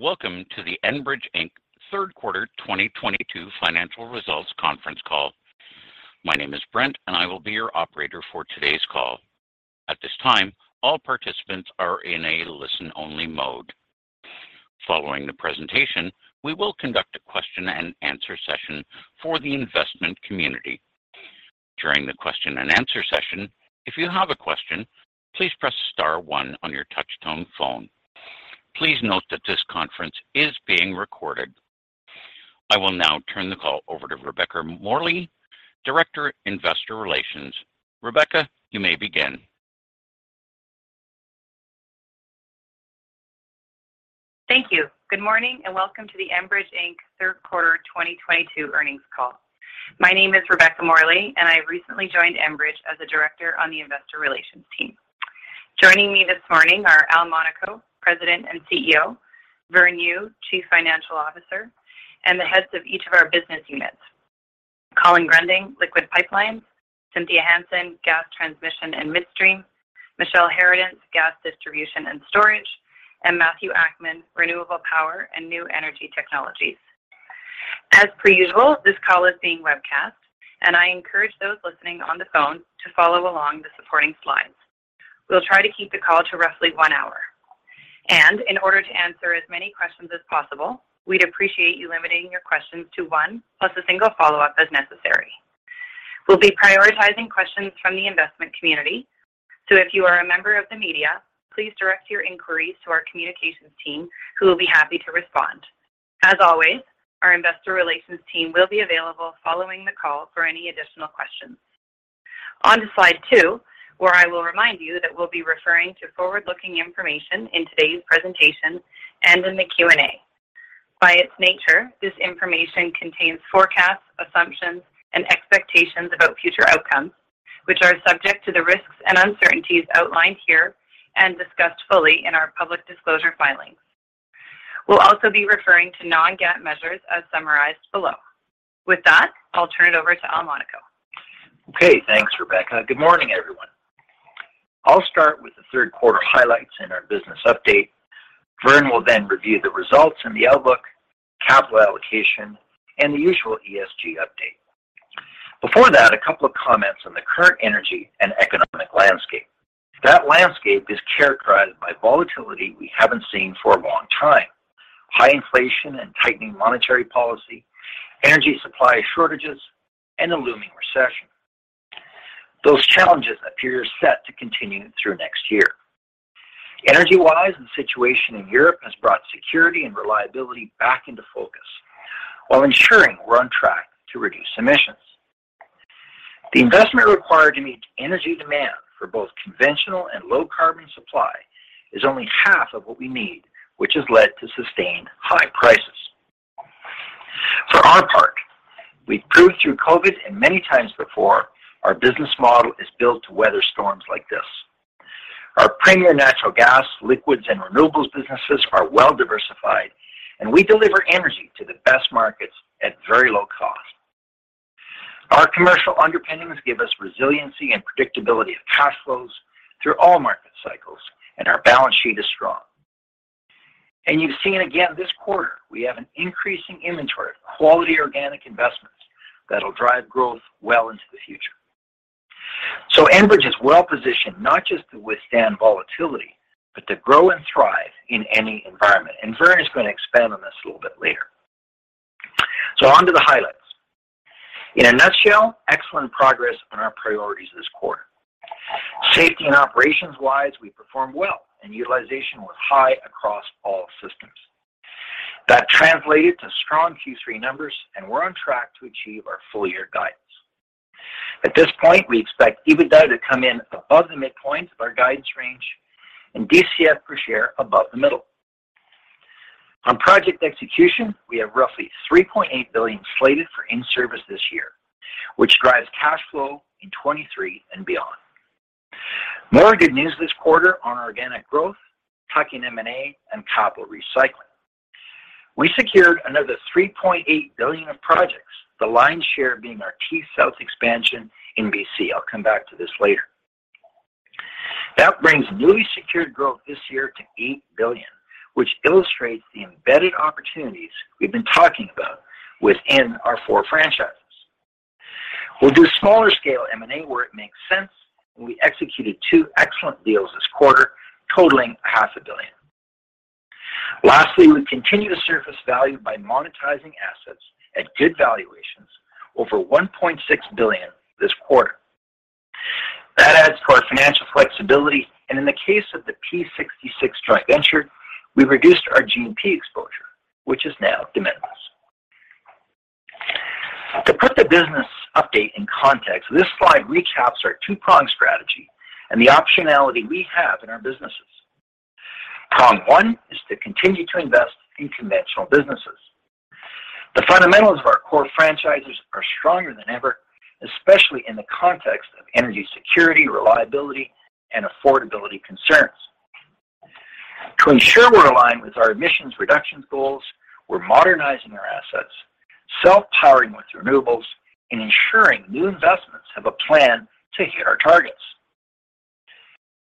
Welcome to the Enbridge Inc. Third Quarter 2022 Financial Results Conference Call. My name is Brent, and I will be your operator for today's call. At this time, all participants are in a listen-only mode. Following the presentation, we will conduct a question and answer session for the investment community. During the question and answer session, if you have a question, please press star one on your touch-tone phone. Please note that this conference is being recorded. I will now turn the call over to Rebecca Morley, Director, Investor Relations. Rebecca, you may begin. Thank you. Good morning, and welcome to the Enbridge Inc. Third Quarter 2022 earnings call. My name is Rebecca Morley, and I recently joined Enbridge as a director on the investor relations team. Joining me this morning are Al Monaco, President and CEO, Vern Yu, Chief Financial Officer, and the heads of each of our business units, Colin Gruending, Liquids Pipelines, Cynthia Hansen, Gas Transmission and Midstream, Michele Harradence, Gas Distribution and Storage, and Matthew Akman, Renewable Power and New Energy Technologies. As per usual, this call is being webcast, and I encourage those listening on the phone to follow along the supporting slides. We'll try to keep the call to roughly one hour. In order to answer as many questions as possible, we'd appreciate you limiting your questions to one, plus a single follow-up as necessary. We'll be prioritizing questions from the investment community. If you are a member of the media, please direct your inquiries to our communications team, who will be happy to respond. As always, our investor relations team will be available following the call for any additional questions. On to slide two, where I will remind you that we'll be referring to forward-looking information in today's presentation and in the Q&A. By its nature, this information contains forecasts, assumptions, and expectations about future outcomes, which are subject to the risks and uncertainties outlined here and discussed fully in our public disclosure filings. We'll also be referring to Non-GAAP measures as summarized below. With that, I'll turn it over to Al Monaco. Okay, thanks, Rebecca. Good morning, everyone. I'll start with the third quarter highlights in our business update. Vern will then review the results and the outlook, capital allocation, and the usual ESG update. Before that, a couple of comments on the current energy and economic landscape. That landscape is characterized by volatility we haven't seen for a long time. High inflation and tightening monetary policy, energy supply shortages, and a looming recession. Those challenges appear set to continue through next year. Energy-wise, the situation in Europe has brought security and reliability back into focus while ensuring we're on track to reduce emissions. The investment required to meet energy demand for both conventional and low carbon supply is only half of what we need, which has led to sustained high prices. For our part, we've proved through COVID and many times before our business model is built to weather storms like this. Our premier natural gas, liquids, and renewables businesses are well-diversified, and we deliver energy to the best markets at very low cost. Our commercial underpinnings give us resiliency and predictability of cash flows through all market cycles, and our balance sheet is strong. You've seen again this quarter, we have an increasing inventory of quality organic investments that'll drive growth well into the future. Enbridge is well-positioned not just to withstand volatility, but to grow and thrive in any environment. Vern is gonna expand on this a little bit later. Onto the highlights. In a nutshell, excellent progress on our priorities this quarter. Safety and operations-wise, we performed well, and utilization was high across all systems. That translates to strong Q3 numbers, and we're on track to achieve our full-year guidance. At this point, we expect EBITDA to come in above the midpoint of our guidance range and DCF per share above the middle. On project execution, we have roughly 3.8 billion slated for in-service this year, which drives cash flow in 2023 and beyond. More good news this quarter on organic growth, tuck-in M&A, and capital recycling. We secured another 3.8 billion of projects, the lion's share being our T-South expansion in BC. I'll come back to this later. That brings newly secured growth this year to 8 billion, which illustrates the embedded opportunities we've been talking about within our four franchises. We'll do smaller scale M&A where it makes sense, and we executed two excellent deals this quarter, totaling CAD half a billion. Lastly, we continue to surface value by monetizing assets at good valuations over 1.6 billion this quarter. That adds to our financial flexibility, and in the case of the Phillips 66 joint venture, we reduced our GMP exposure, which is now de minimis. To put the business update in context, this slide recaps our two-pronged strategy and the optionality we have in our businesses. Prong one is to continue to invest in conventional businesses. The fundamentals of our core franchises are stronger than ever, especially in the context of energy security, reliability, and affordability concerns. To ensure we're aligned with our emissions reduction goals, we're modernizing our assets, self-powering with renewables, and ensuring new investments have a plan to hit our targets.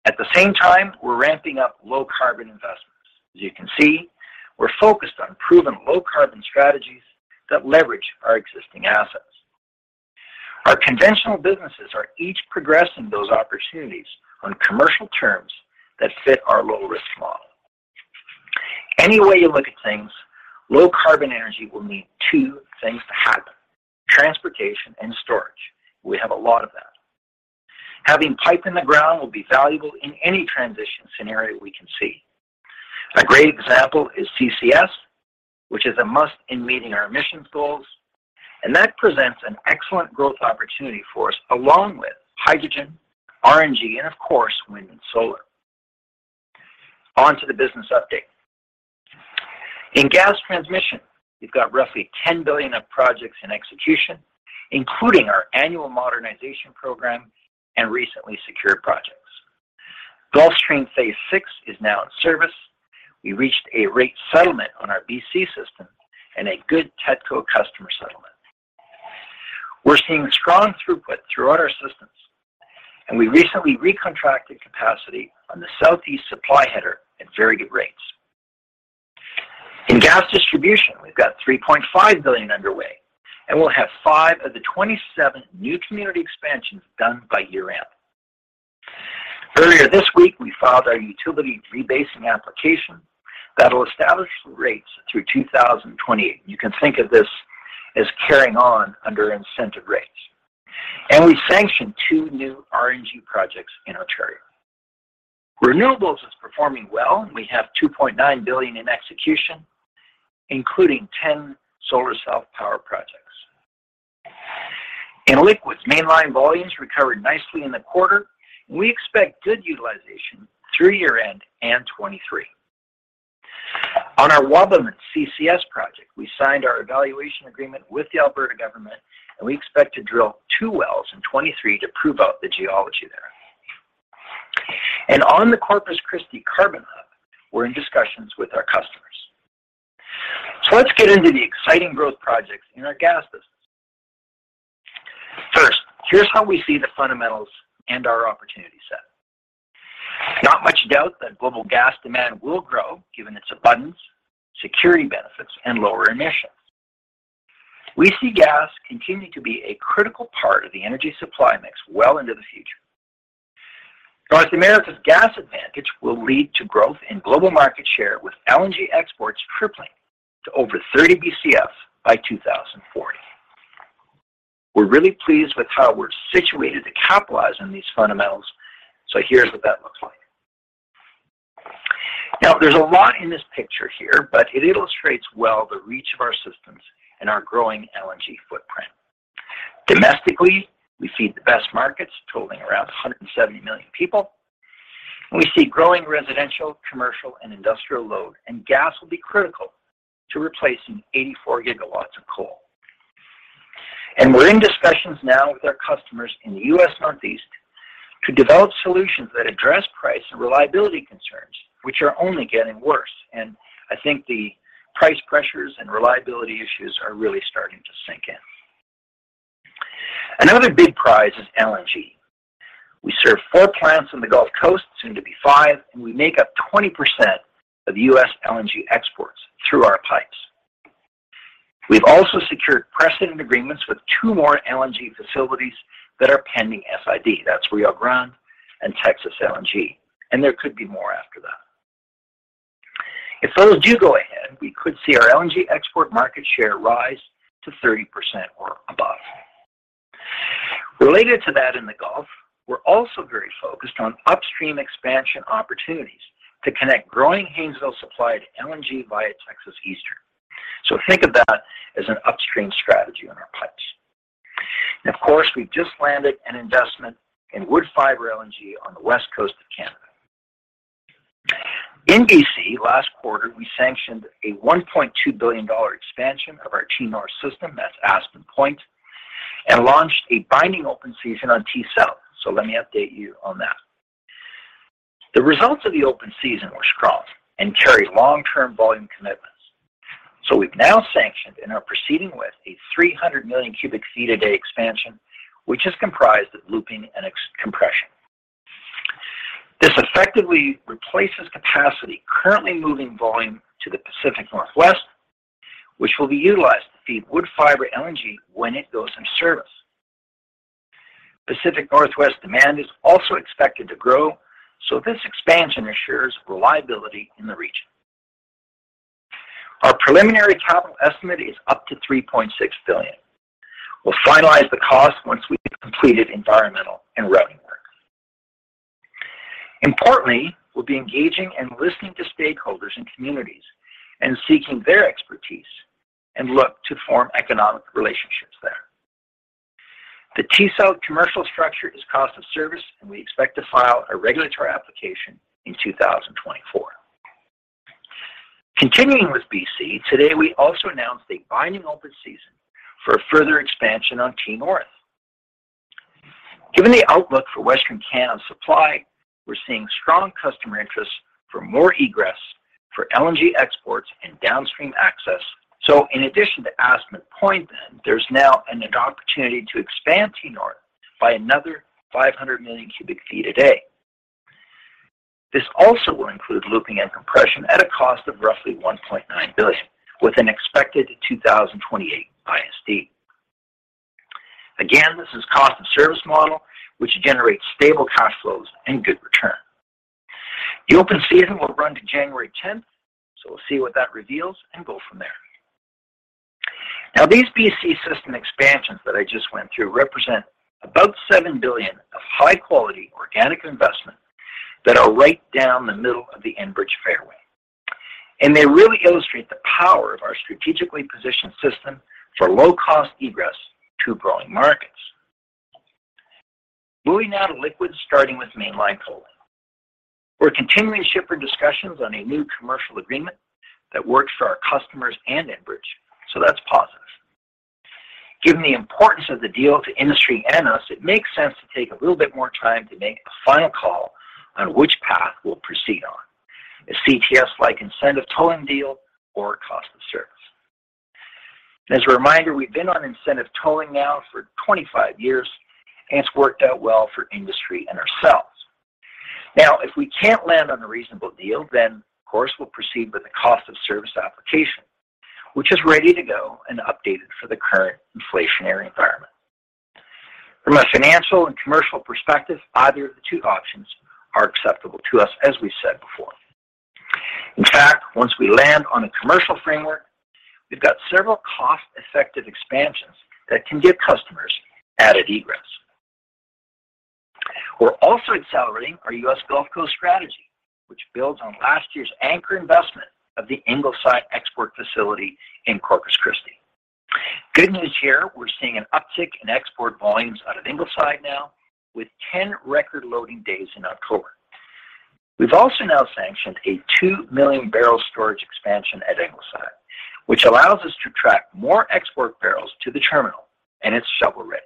At the same time, we're ramping up low carbon investments. As you can see, we're focused on proven low carbon strategies that leverage our existing assets. Our conventional businesses are each progressing those opportunities on commercial terms that fit our low-risk model. Any way you look at things, low carbon energy will need two things to happen, transportation and storage. We have a lot of that. Having pipe in the ground will be valuable in any transition scenario we can see. A great example is CCS, which is a must in meeting our emissions goals, and that presents an excellent growth opportunity for us, along with hydrogen, RNG, and of course, wind and solar. On to the business update. In gas transmission, we've got roughly 10 billion of projects in execution, including our annual modernization program and recently secured projects. Gulfstream Phase Six is now in service. We reached a rate settlement on our BC system and a good TETCO customer settlement. We're seeing strong throughput throughout our systems, and we recently recontracted capacity on the Southeast Supply Header at very good rates. In gas distribution, we've got 3.5 billion underway, and we'll have five of the 27 new community expansions done by year-end. Earlier this week, we filed our utility rebasing application that will establish the rates through 2020. You can think of this as carrying on under incentive rates. We sanctioned two new RNG projects in Ontario. Renewables is performing well. We have 2.9 billion in execution, including 10 solar self-power projects. In liquids, mainline volumes recovered nicely in the quarter, and we expect good utilization through year-end and 2023. On our Wabamun CCS project, we signed our evaluation agreement with the Alberta government, and we expect to drill two wells in 2023 to prove out the geology there. On the Corpus Christi Carbon Hub, we're in discussions with our customers. Let's get into the exciting growth projects in our gas business. First, here's how we see the fundamentals and our opportunity set. Not much doubt that global gas demand will grow given its abundance, security benefits, and lower emissions. We see gas continuing to be a critical part of the energy supply mix well into the future. North America's gas advantage will lead to growth in global market share with LNG exports tripling to over 30 BCF by 2040. We're really pleased with how we're situated to capitalize on these fundamentals. Here's what that looks like. Now, there's a lot in this picture here, but it illustrates well the reach of our systems and our growing LNG footprint. Domestically, we feed the best markets, totaling around 170 million people. We see growing residential, commercial, and industrial load, and gas will be critical to replacing 84 gigawatts of coal. We're in discussions now with our customers in the US Northeast to develop solutions that address price and reliability concerns, which are only getting worse. I think the price pressures and reliability issues are really starting to sink in. Another big prize is LNG. We serve four plants on the Gulf Coast, soon to be five, and we make up 20% of US LNG exports through our pipes. We've also secured precedent agreements with two more LNG facilities that are pending FID, that's Rio Grande LNG and Texas LNG, and there could be more after that. If those do go ahead, we could see our LNG export market share rise to 30% or above. Related to that in the Gulf, we're also very focused on upstream expansion opportunities to connect growing Haynesville supply to LNG via Texas Eastern. Think of that as an upstream strategy on our pipes. Of course, we've just landed an investment in Woodfibre LNG on the West Coast of Canada. In BC, last quarter, we sanctioned a 1.2 billion dollar expansion of our T-North system, that's Aspen Point, and launched a binding open season on T-South. Let me update you on that. The results of the open season were strong and carry long-term volume commitments. We've now sanctioned and are proceeding with a 300 million cubic feet a day expansion, which is comprised of looping and existing compression. This effectively replaces capacity currently moving volume to the Pacific Northwest, which will be utilized to feed Woodfibre LNG when it goes in service. Pacific Northwest demand is also expected to grow, so this expansion assures reliability in the region. Our preliminary capital estimate is up to 3.6 billion. We'll finalize the cost once we've completed environmental and routing work. Importantly, we'll be engaging and listening to stakeholders in communities and seeking their expertise and look to form economic relationships there. The T-South commercial structure is cost of service, and we expect to file a regulatory application in 2024. Continuing with BC, today we also announced a binding open season for a further expansion on T-North. Given the outlook for Western Canada supply, we're seeing strong customer interest for more egress for LNG exports and downstream access. In addition to Aspen Point then, there's now an opportunity to expand T-North by another 500 million cubic feet a day. This also will include looping and compression at a cost of roughly 1.9 billion, with an expected 2028 ISD. Again, this is cost of service model, which generates stable cash flows and good return. The open season will run to January tenth, so we'll see what that reveals and go from there. Now, these BC system expansions that I just went through represent about seven billion of high-quality organic investment that are right down the middle of the Enbridge fairway. They really illustrate the power of our strategically positioned system for low-cost egress to growing markets. Moving now to liquids, starting with Mainline tolling. We're continuing shipper discussions on a new commercial agreement that works for our customers and Enbridge, so that's positive. Given the importance of the deal to industry and us, it makes sense to take a little bit more time to make a final call on which path we'll proceed on, a CTS-like incentive tolling deal or a cost of service. As a reminder, we've been on incentive tolling now for 25 years, and it's worked out well for industry and ourselves. Now, if we can't land on a reasonable deal, then of course, we'll proceed with the cost of service application, which is ready to go and updated for the current inflationary environment. From a financial and commercial perspective, either of the two options are acceptable to us, as we said before. In fact, once we land on a commercial framework, we've got several cost-effective expansions that can give customers added egress. We're also accelerating our U.S. Gulf Coast strategy, which builds on last year's anchor investment of the Ingleside export facility in Corpus Christi. Good news here, we're seeing an uptick in export volumes out of Ingleside now with 10 record loading days in October. We've also now sanctioned a two million barrel storage expansion at Ingleside, which allows us to attract more export barrels to the terminal and it's shovel-ready.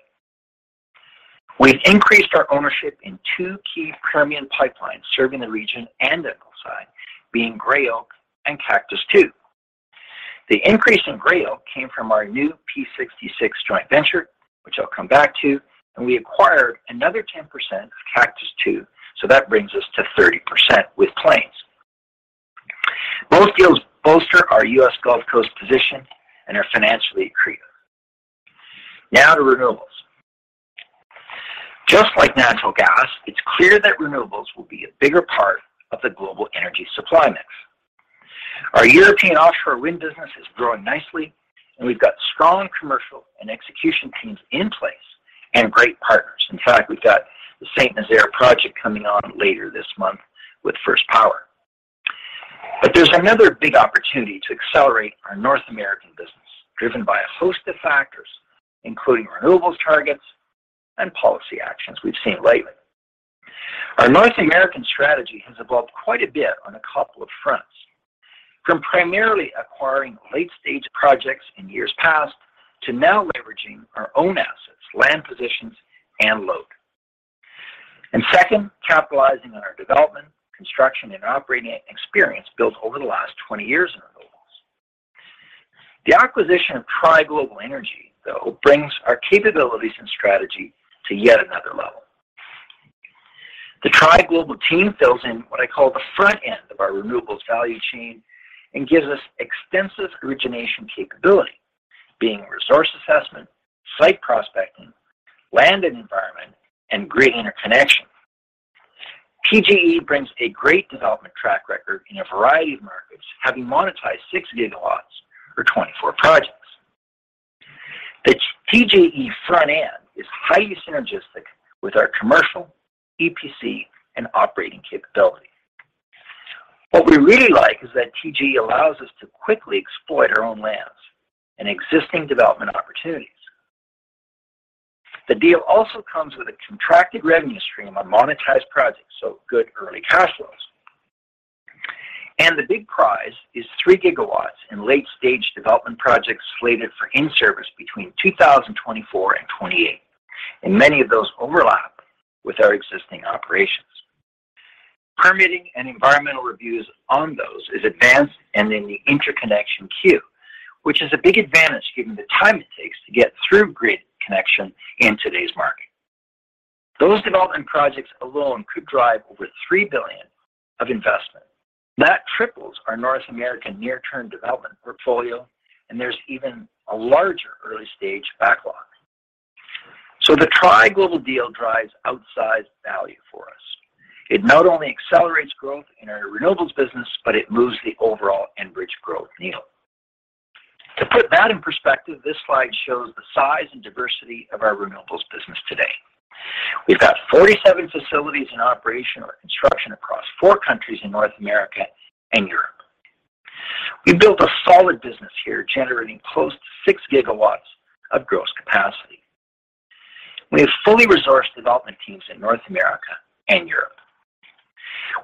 We've increased our ownership in two key Permian pipelines serving the region and Ingleside, being Gray Oak and Cactus II. The increase in Gray Oak came from our new Phillips 66 joint venture, which I'll come back to, and we acquired another 10% of Cactus II, so that brings us to 30% with Plains. Both deals bolster our U.S. Gulf Coast position and are financially accretive. Now to renewables. Just like natural gas, it's clear that renewables will be a bigger part of the global energy supply mix. Our European offshore wind business is growing nicely, and we've got strong commercial and execution teams in place and great partners. In fact, we've got the Saint-Nazaire project coming on later this month with first power. But there's another big opportunity to accelerate our North American business, driven by a host of factors, including renewables targets and policy actions we've seen lately. Our North American strategy has evolved quite a bit on a couple of fronts. From primarily acquiring late-stage projects in years past to now leveraging our own assets, land positions, and load. Second, capitalizing on our development, construction, and operating experience built over the last 20 years in renewables. The acquisition of Tri Global Energy, though, brings our capabilities and strategy to yet another level. The Tri Global team fills in what I call the front end of our renewables value chain and gives us extensive origination capability, being resource assessment, site prospecting, land and environment, and grid interconnection. TGE brings a great development track record in a variety of markets, having monetized 6 gigawatts for 24 projects. The TGE front end is highly synergistic with our commercial, EPC, and operating capability. What we really like is that TGE allows us to quickly exploit our own lands and existing development opportunities. The deal also comes with a contracted revenue stream on monetized projects, so good early cash flows. The big prize is three gigawatts in late-stage development projects slated for in-service between 2024 and 2028, and many of those overlap with our existing operations. Permitting and environmental reviews on those is advanced and in the interconnection queue, which is a big advantage given the time it takes to get through grid connection in today's market. Those development projects alone could drive over three billion of investment. That triples our North American near-term development portfolio, and there's even a larger early-stage backlog. The Tri Global deal drives outsized value for us. It not only accelerates growth in our renewables business, but it moves the overall Enbridge growth needle. To put that in perspective, this slide shows the size and diversity of our renewables business today. We've got 47 facilities in operation or construction across four countries in North America and Europe. We built a solid business here, generating close to six gigawatts of gross capacity. We have fully resourced development teams in North America and Europe.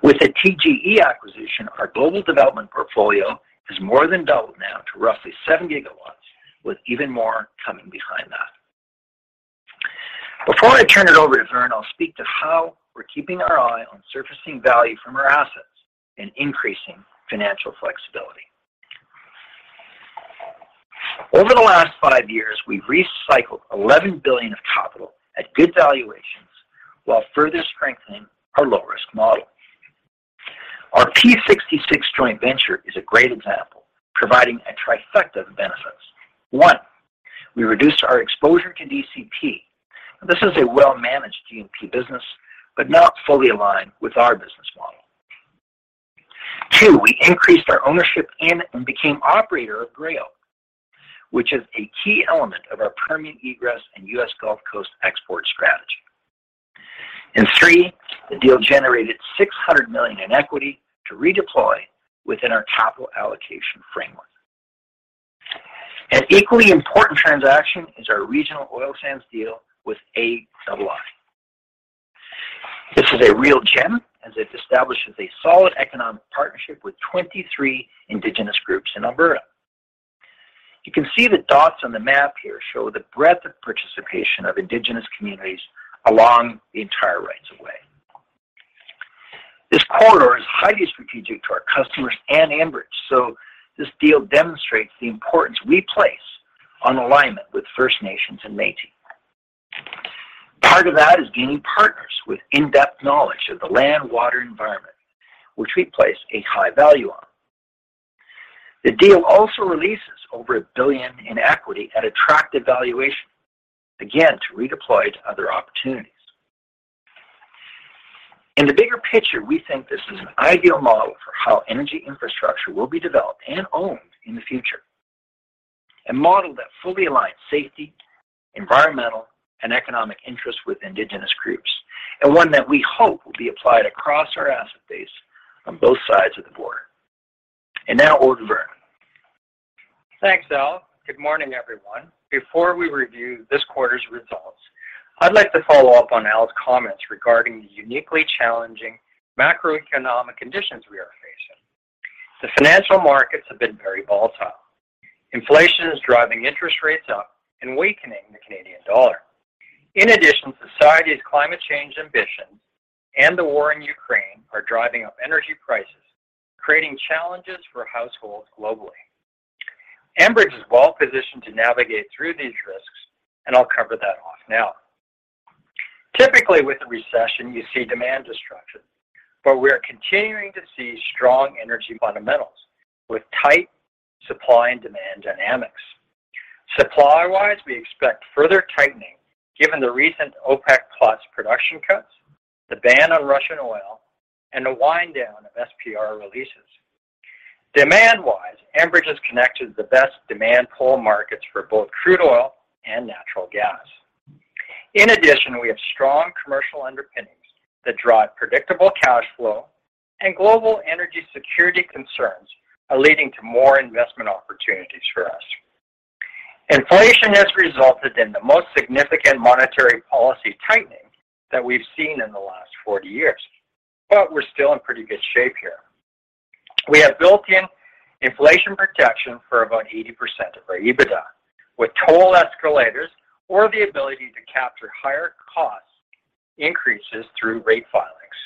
With the Tri Global Energy acquisition, our global development portfolio has more than doubled to roughly seven gigawatts, with even more coming behind that. Before I turn it over to Vern, I'll speak to how we're keeping our eye on surfacing value from our assets and increasing financial flexibility. Over the last five years, we've recycled 11 billion of capital at good valuations while further strengthening our low-risk model. Our Phillips 66 joint venture is a great example, providing a trifecta of benefits. One, we reduced our exposure to DCP. This is a well-managed G&P business, but not fully aligned with our business model. Two, we increased our ownership in and became operator of Gray Oak, which is a key element of our Permian egress and U.S. Gulf Coast export strategy. Three, the deal generated 600 million in equity to redeploy within our capital allocation framework. An equally important transaction is our regional oil sands deal with AII. This is a real gem as it establishes a solid economic partnership with 23 Indigenous groups in Alberta. You can see the dots on the map here show the breadth of participation of Indigenous communities along the entire rights of way. This corridor is highly strategic to our customers and Enbridge, so this deal demonstrates the importance we place on alignment with First Nations and Métis. Part of that is gaining partners with in-depth knowledge of the land, water environment, which we place a high value on. The deal also releases over one billion in equity at attractive valuation, again, to redeploy to other opportunities. In the bigger picture, we think this is an ideal model for how energy infrastructure will be developed and owned in the future. A model that fully aligns safety, environmental, and economic interests with indigenous groups, and one that we hope will be applied across our asset base on both sides of the border. Now over to Vern. Thanks, Al. Good morning, everyone. Before we review this quarter's results, I'd like to follow up on Al's comments regarding the uniquely challenging macroeconomic conditions we are facing. The financial markets have been very volatile. Inflation is driving interest rates up and weakening the Canadian dollar. In addition, society's climate change ambitions and the war in Ukraine are driving up energy prices, creating challenges for households globally. Enbridge is well-positioned to navigate through these risks, and I'll cover that off now. Typically, with a recession, you see demand destruction, but we are continuing to see strong energy fundamentals with tight supply and demand dynamics. Supply-wise, we expect further tightening given the recent OPEC plus production cuts, the ban on Russian oil, and the wind down of SPR releases. Demand-wise, Enbridge is connected to the best demand pull markets for both crude oil and natural gas. In addition, we have strong commercial underpinnings that drive predictable cash flow, and global energy security concerns are leading to more investment opportunities for us. Inflation has resulted in the most significant monetary policy tightening that we've seen in the last 40 years, but we're still in pretty good shape here. We have built-in inflation protection for about 80% of our EBITDA with toll escalators or the ability to capture higher cost increases through rate filings.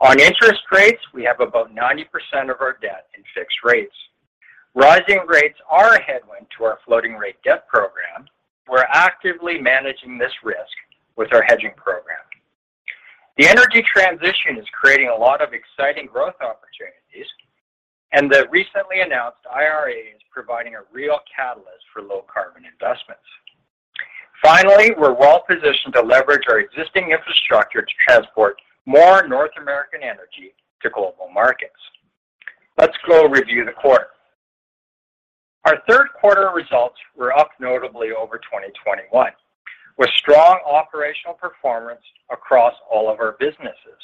On interest rates, we have about 90% of our debt in fixed rates. Rising rates are a headwind to our floating rate debt program. We're actively managing this risk with our hedging program. The energy transition is creating a lot of exciting growth opportunities, and the recently announced IRA is providing a real catalyst for low-carbon investments. Finally, we're well-positioned to leverage our existing infrastructure to transport more North American energy to global markets. Let's go review the quarter. Our third quarter results were up notably over 2021, with strong operational performance across all of our businesses.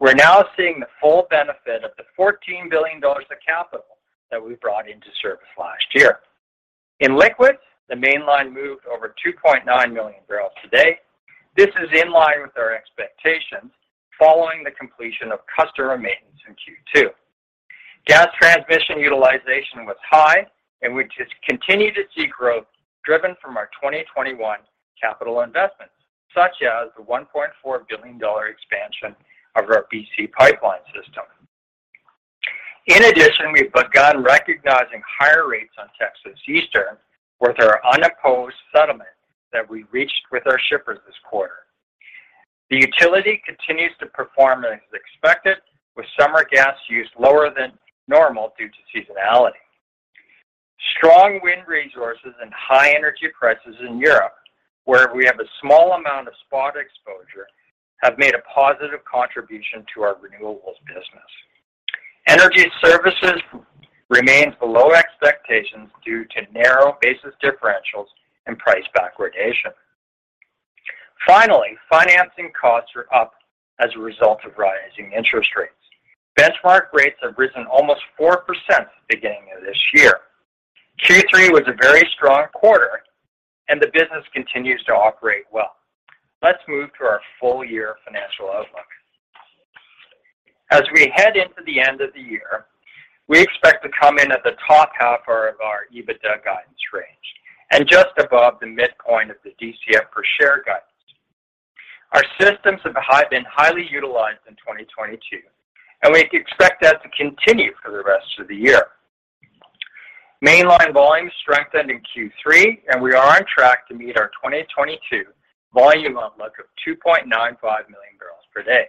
We're now seeing the full benefit of the 14 billion dollars of capital that we brought into service last year. In Liquids, the Mainline moved over 2.9 million barrels a day. This is in line with our expectations following the completion of Custer and maintenance in Q2. Gas Transmission utilization was high, and we continue to see growth driven from our 2021 capital investments, such as the 1.4 billion dollar expansion of our BC pipeline system. In addition, we've begun recognizing higher rates on Texas Eastern with our unopposed settlement that we reached with our shippers this quarter. The utility continues to perform as expected with summer gas use lower than normal due to seasonality. Strong wind resources and high energy prices in Europe, where we have a small amount of spot exposure, have made a positive contribution to our renewables business. Energy services remains below expectations due to narrow basis differentials and price backwardation. Finally, financing costs are up as a result of rising interest rates. Benchmark rates have risen almost 4% at the beginning of this year. Q3 was a very strong quarter, and the business continues to operate well. Let's move to our full-year financial outlook. As we head into the end of the year, we expect to come in at the top half of our EBITDA guidance range and just above the midpoint of the DCF per share guidance. Our systems have been highly utilized in 2022, and we expect that to continue for the rest of the year. Mainline volumes strengthened in Q3, and we are on track to meet our 2022 volume outlook of 2.95 million barrels per day.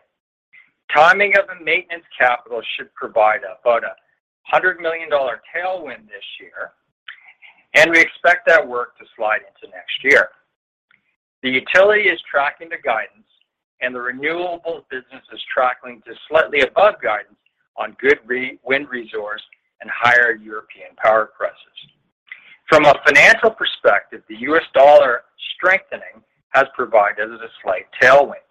Timing of the maintenance capital should provide about 100 million dollar tailwind this year, and we expect that work to slide into next year. The utility is tracking to guidance, and the renewable business is tracking to slightly above guidance on good wind resource and higher European power prices. From a financial perspective, the US dollar strengthening has provided us a slight tailwind.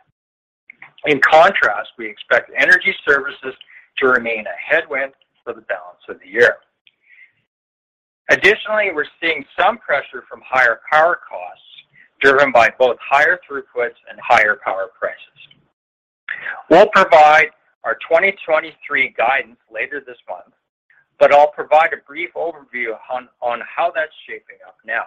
In contrast, we expect energy services to remain a headwind for the balance of the year. Additionally, we're seeing some pressure from higher power costs, driven by both higher throughputs and higher power prices. We'll provide our 2023 guidance later this month, but I'll provide a brief overview on how that's shaping up now.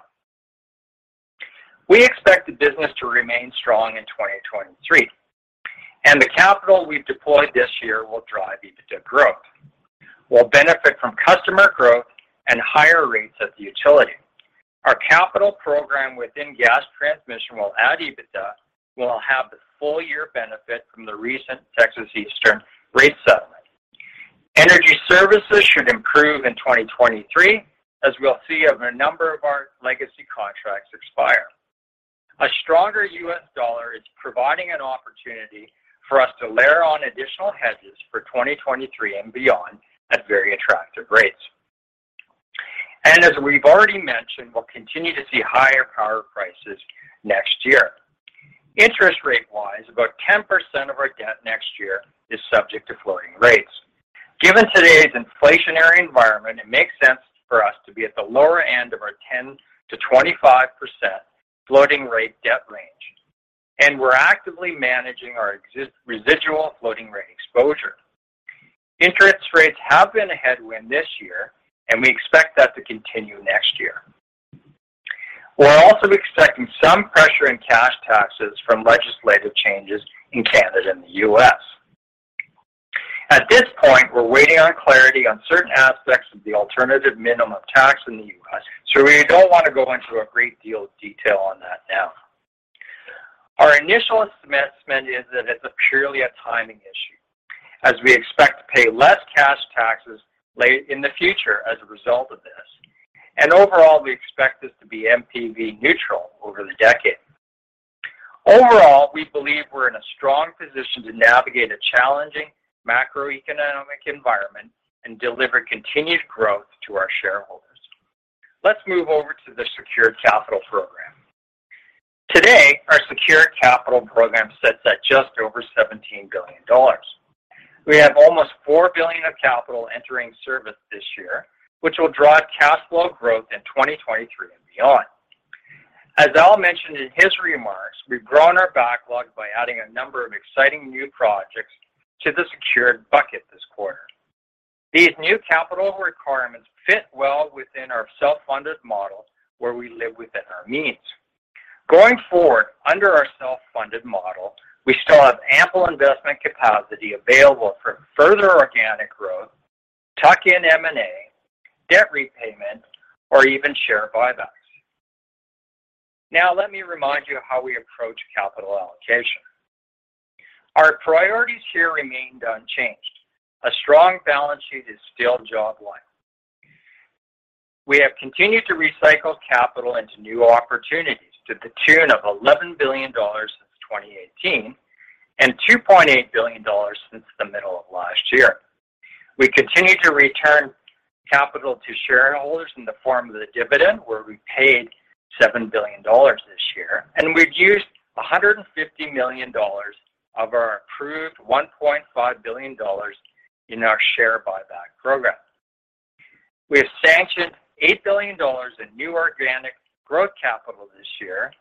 We expect the business to remain strong in 2023, and the capital we've deployed this year will drive EBITDA growth. We'll benefit from customer growth and higher rates at the utility. Our capital program within Gas Transmission will add EBITDA. We'll have the full-year benefit from the recent Texas Eastern rate settlement. Energy services should improve in 2023, as we'll see a number of our legacy contracts expire. A stronger US dollar is providing an opportunity for us to layer on additional hedges for 2023 and beyond at very attractive rates. As we've already mentioned, we'll continue to see higher power prices next year. Interest rate-wise, about 10% of our debt next year is subject to floating rates. Given today's inflationary environment, it makes sense for us to be at the lower end of our 10%-25% floating rate debt range, and we're actively managing our residual floating rate exposure. Interest rates have been a headwind this year, and we expect that to continue next year. We're also expecting some pressure in cash taxes from legislative changes in Canada and the U.S. At this point, we're waiting on clarity on certain aspects of the alternative minimum tax in the U.S., so we don't want to go into a great deal of detail on that now. Our initial assessment is that it's purely a timing issue, as we expect to pay less cash taxes in the future as a result of this. Overall, we expect this to be NPV neutral over the decade. Overall, we believe we're in a strong position to navigate a challenging macroeconomic environment and deliver continued growth to our shareholders. Let's move over to the secured capital program. Today, our secured capital program sits at just over 17 billion dollars. We have almost 4 billion of capital entering service this year, which will drive cash flow growth in 2023 and beyond. As Al mentioned in his remarks, we've grown our backlog by adding a number of exciting new projects to the secured bucket this quarter. These new capital requirements fit well within our self-funded model, where we live within our means. Going forward, under our self-funded model, we still have ample investment capacity available for further organic growth, tuck-in M&A, debt repayment, or even share buybacks. Now, let me remind you of how we approach capital allocation. Our priorities here remained unchanged. A strong balance sheet is still job one. We have continued to recycle capital into new opportunities to the tune of 11 billion dollars since 2018 and 2.8 billion dollars since the middle of last year. We continue to return capital to shareholders in the form of the dividend, where we paid 7 billion dollars this year, and we've used 150 million dollars of our approved 1.5 billion dollars in our share buyback program. We have sanctioned 8 billion dollars in new organic growth capital this year,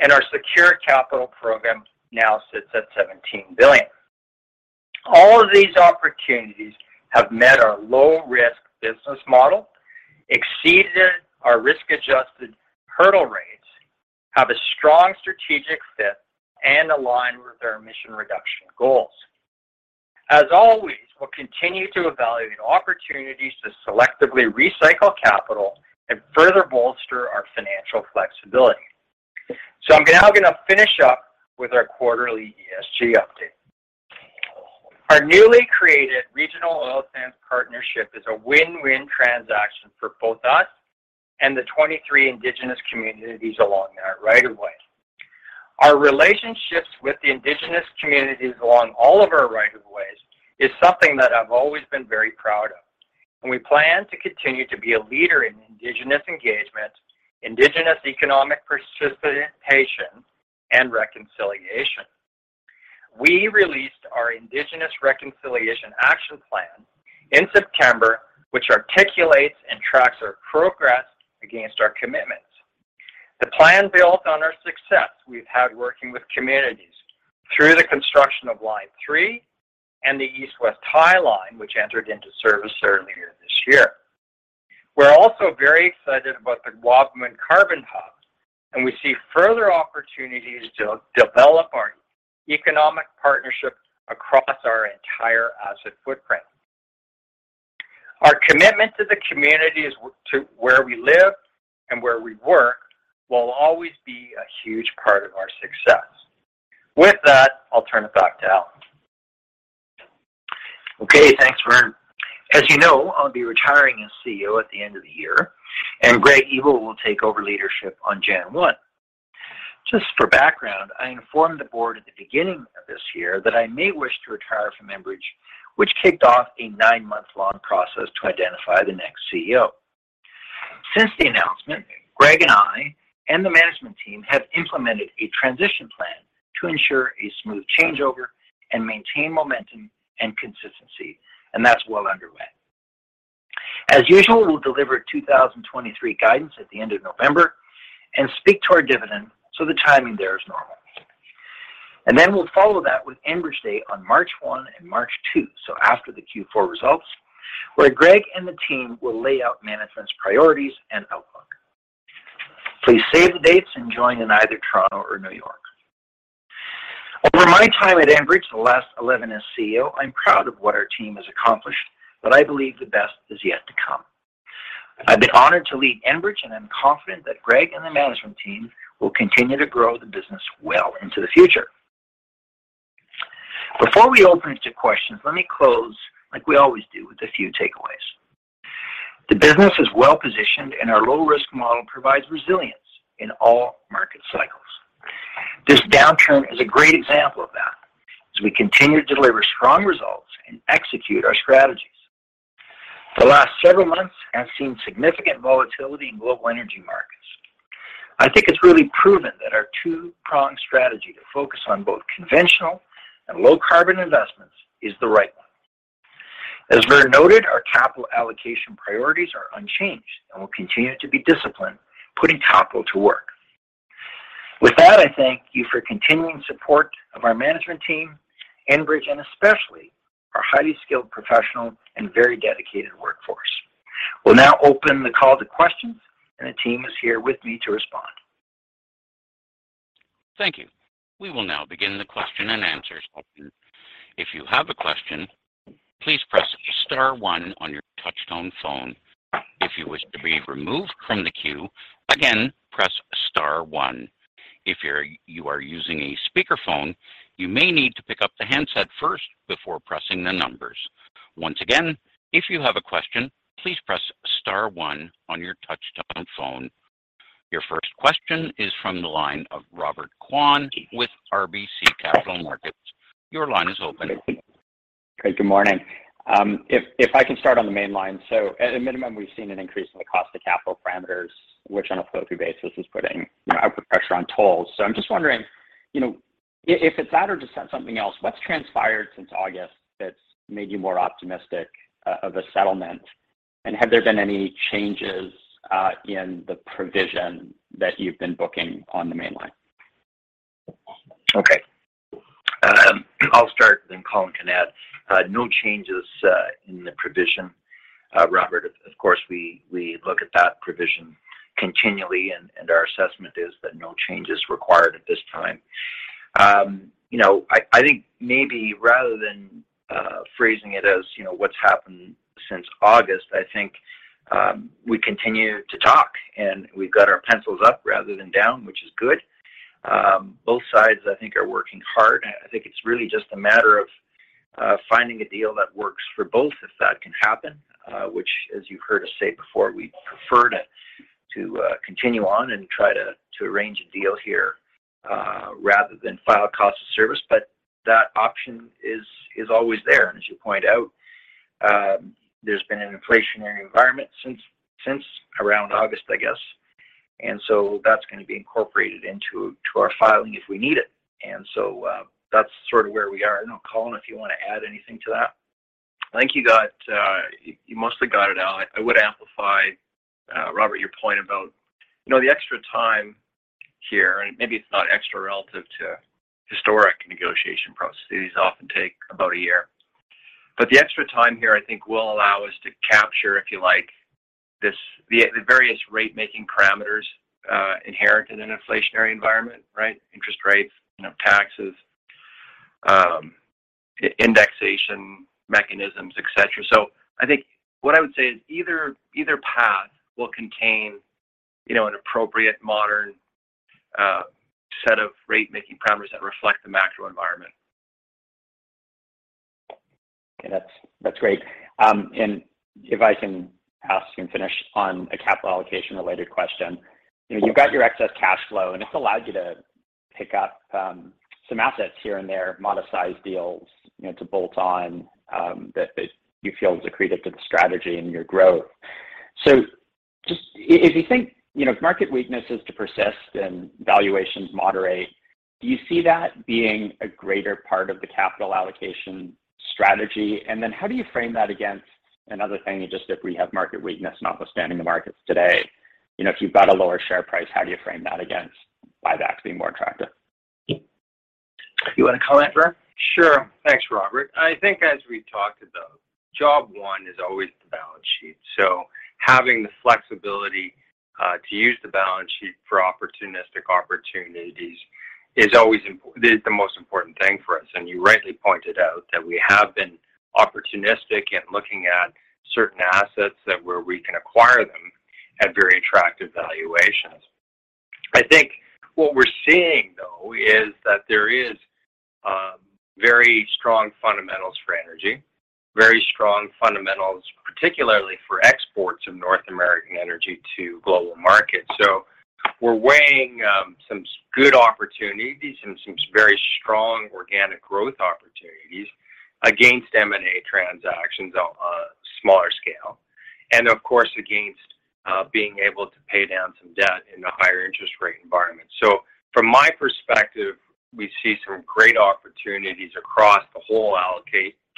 and our secured capital program now sits at 17 billion. All of these opportunities have met our low-risk business model, exceeded our risk-adjusted hurdle rates, have a strong strategic fit, and align with our emission reduction goals. As always, we'll continue to evaluate opportunities to selectively recycle capital and further bolster our financial flexibility. I'm now gonna finish up with our quarterly ESG update. Our newly created regional oil sands partnership is a win-win transaction for both us and the 23 Indigenous communities along our right of way. Our relationships with the Indigenous communities along all of our right of ways is something that I've always been very proud of, and we plan to continue to be a leader in Indigenous engagement, Indigenous economic participation, and reconciliation. We released our Indigenous Reconciliation Action Plan in September, which articulates and tracks our progress against our commitments. The plan built on our success we've had working with communities through the construction of Line three and the East-West Tie Line, which entered into service earlier this year. We're also very excited about the Wabamun Carbon Hub, and we see further opportunities to develop our economic partnership across our entire asset footprint. Our commitment to the communities where we live and where we work will always be a huge part of our success. With that, I'll turn it back to Al Monaco. Okay. Thanks, Vern. As you know, I'll be retiring as CEO at the end of the year, and Greg Ebel will take over leadership on January one. Just for background, I informed the board at the beginning of this year that I may wish to retire from Enbridge, which kicked off a nine-month-long process to identify the next CEO. Since the announcement, Greg and I and the management team have implemented a transition plan to ensure a smooth changeover and maintain momentum and consistency, and that's well underway. As usual, we'll deliver 2023 guidance at the end of November and speak to our dividend, so the timing there is normal. We'll follow that with Enbridge Day on March one and March two, so after the Q4 results, where Greg and the team will lay out management's priorities and outlook. Please save the dates and join in either Toronto or New York. Over my time at Enbridge, the last 11 as CEO, I'm proud of what our team has accomplished, but I believe the best is yet to come. I've been honored to lead Enbridge, and I'm confident that Greg and the management team will continue to grow the business well into the future. Before we open it to questions, let me close like we always do with a few takeaways. The business is well-positioned, and our low-risk model provides resilience in all market cycles. This downturn is a great example of that as we continue to deliver strong results and execute our strategies. The last several months have seen significant volatility in global energy markets. I think it's really proven that our two-pronged strategy to focus on both conventional and low-carbon investments is the right one. As Vern noted, our capital allocation priorities are unchanged and will continue to be disciplined, putting capital to work. With that, I thank you for continuing support of our management team, Enbridge, and especially our highly skilled professional and very dedicated workforce. We'll now open the call to questions, and the team is here with me to respond. Thank you. We will now begin the question and answers. If you have a question, please press star one on your touchtone phone. If you wish to be removed from the queue, again, press star one. If you are using a speakerphone, you may need to pick up the handset first before pressing the numbers. Once again, if you have a question, please press star one on your touchtone phone. Your first question is from the line of Robert Kwan with RBC Capital Markets. Your line is open. Great. Good morning. If I can start on the Mainline. At a minimum, we've seen an increase in the cost of capital parameters, which on a flow through basis is putting, you know, upward pressure on tolls. I'm just wondering, you know, if it's that or just something else, what's transpired since August that's made you more optimistic of a settlement? And have there been any changes in the provision that you've been booking on the Mainline? Okay. I'll start, then Colin can add. No changes in the provision, Robert. Of course, we look at that provision continually and our assessment is that no change is required at this time. You know, I think maybe rather than phrasing it as, you know, what's happened since August, I think we continue to talk and we've got our pencils up rather than down, which is good. Both sides I think are working hard. I think it's really just a matter of finding a deal that works for both if that can happen, which as you heard us say before, we'd prefer to continue on and try to arrange a deal here rather than file cost of service. That option is always there. As you point out, there's been an inflationary environment since around August, I guess. That's gonna be incorporated into our filing if we need it. That's sort of where we are. I don't know, Colin, if you wanna add anything to that. I think you mostly got it, Al. I would amplify, Robert, your point about, you know, the extra time here, and maybe it's not extra relative to historic negotiation processes. These often take about a year. The extra time here I think will allow us to capture, if you like, this, the various rate-making parameters inherent in an inflationary environment, right? Interest rates, you know, taxes, indexation mechanisms, etc. I think what I would say is either path will contain, you know, an appropriate modern set of rate-making parameters that reflect the macro environment. Okay. That's great. If I can ask and finish on a capital allocation related question. You know, you've got your excess cash flow, and it's allowed you to pick up some assets here and there, modest size deals, you know, to bolt on that you feel is accretive to the strategy and your growth. Just if you think, you know, if market weakness is to persist and valuations moderate. Do you see that being a greater part of the capital allocation strategy? How do you frame that against another thing, just if we have market weakness notwithstanding the markets today? You know, if you've got a lower share price, how do you frame that against buybacks being more attractive? You wanna comment, Vern? Sure. Thanks, Robert. I think as we've talked about, job one is always the balance sheet. Having the flexibility to use the balance sheet for opportunistic opportunities is always the most important thing for us. You rightly pointed out that we have been opportunistic in looking at certain assets where we can acquire them at very attractive valuations. I think what we're seeing, though, is that there is very strong fundamentals for energy, very strong fundamentals, particularly for exports of North American energy to global markets. We're weighing some good opportunities and some very strong organic growth opportunities against M&A transactions on a smaller scale, and of course, against being able to pay down some debt in the higher interest rate environment. From my perspective, we see some great opportunities across the whole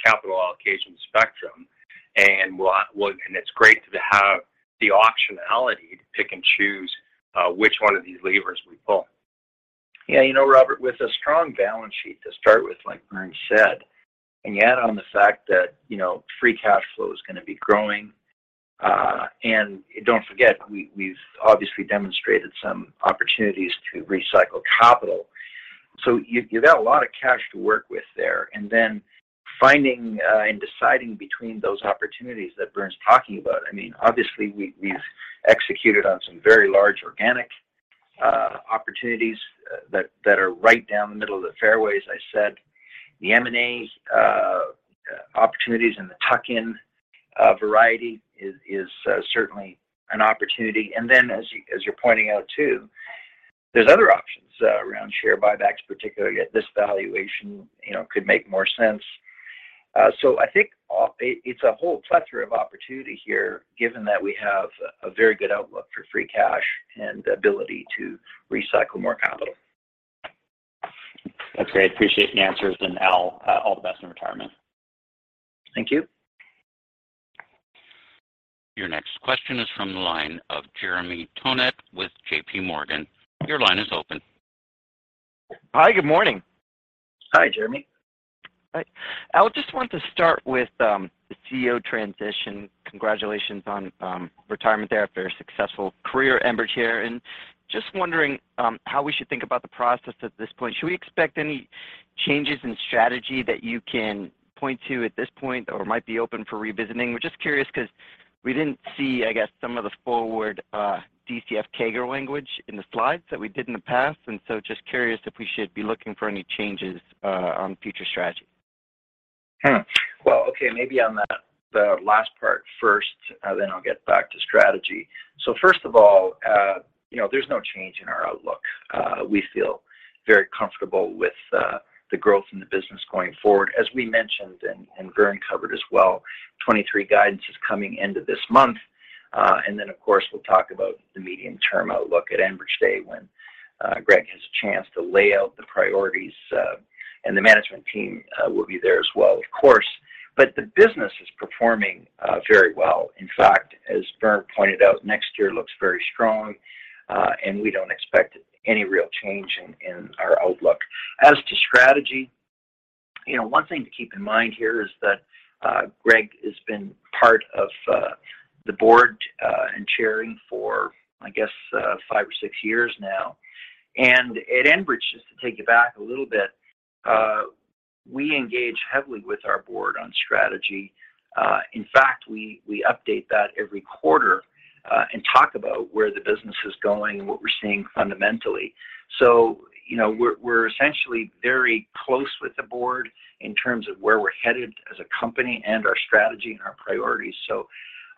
capital allocation spectrum, and we'll and it's great to have the optionality to pick and choose which one of these levers we pull. Yeah. You know, Robert, with a strong balance sheet to start with, like Vern said, and you add on the fact that, you know, free cash flow is gonna be growing, and don't forget, we've obviously demonstrated some opportunities to recycle capital. You got a lot of cash to work with there. Finding and deciding between those opportunities that Vern's talking about, I mean, obviously, we've executed on some very large organic opportunities that are right down the middle of the fairways, as I said. The M&A opportunities and the tuck-in variety is certainly an opportunity. As you're pointing out, too, there's other options around share buybacks, particularly at this valuation, you know, could make more sense. I think it's a whole plethora of opportunity here, given that we have a very good outlook for free cash and ability to recycle more capital. That's great. Appreciate the answers. Al, all the best in retirement. Thank you. Your next question is from the line of Jeremy Tonet with J.P. Morgan. Your line is open. Hi, good morning. Hi, Jeremy. Hi. Al, just wanted to start with the CEO transition. Congratulations on retirement there. A very successful career at Enbridge here. Just wondering how we should think about the process at this point. Should we expect any changes in strategy that you can point to at this point or might be open for revisiting? We're just curious 'cause we didn't see, I guess, some of the forward DCF CAGR language in the slides that we did in the past, and so just curious if we should be looking for any changes on future strategy. Well, okay, maybe on that, the last part first, then I'll get back to strategy. First of all, you know, there's no change in our outlook. We feel very comfortable with the growth in the business going forward. As we mentioned and Vern covered as well, 2023 guidance is coming end of this month, and then of course, we'll talk about the medium-term outlook at Enbridge Day when Greg has a chance to lay out the priorities, and the management team will be there as well, of course. The business is performing very well. In fact, as Vern pointed out, next year looks very strong, and we don't expect any real change in our outlook. As to strategy, you know, one thing to keep in mind here is that Greg has been part of the board and chairing for, I guess, five or six years now. At Enbridge, just to take you back a little bit, we engage heavily with our board on strategy. In fact, we update that every quarter and talk about where the business is going and what we're seeing fundamentally. You know, we're essentially very close with the board in terms of where we're headed as a company and our strategy and our priorities.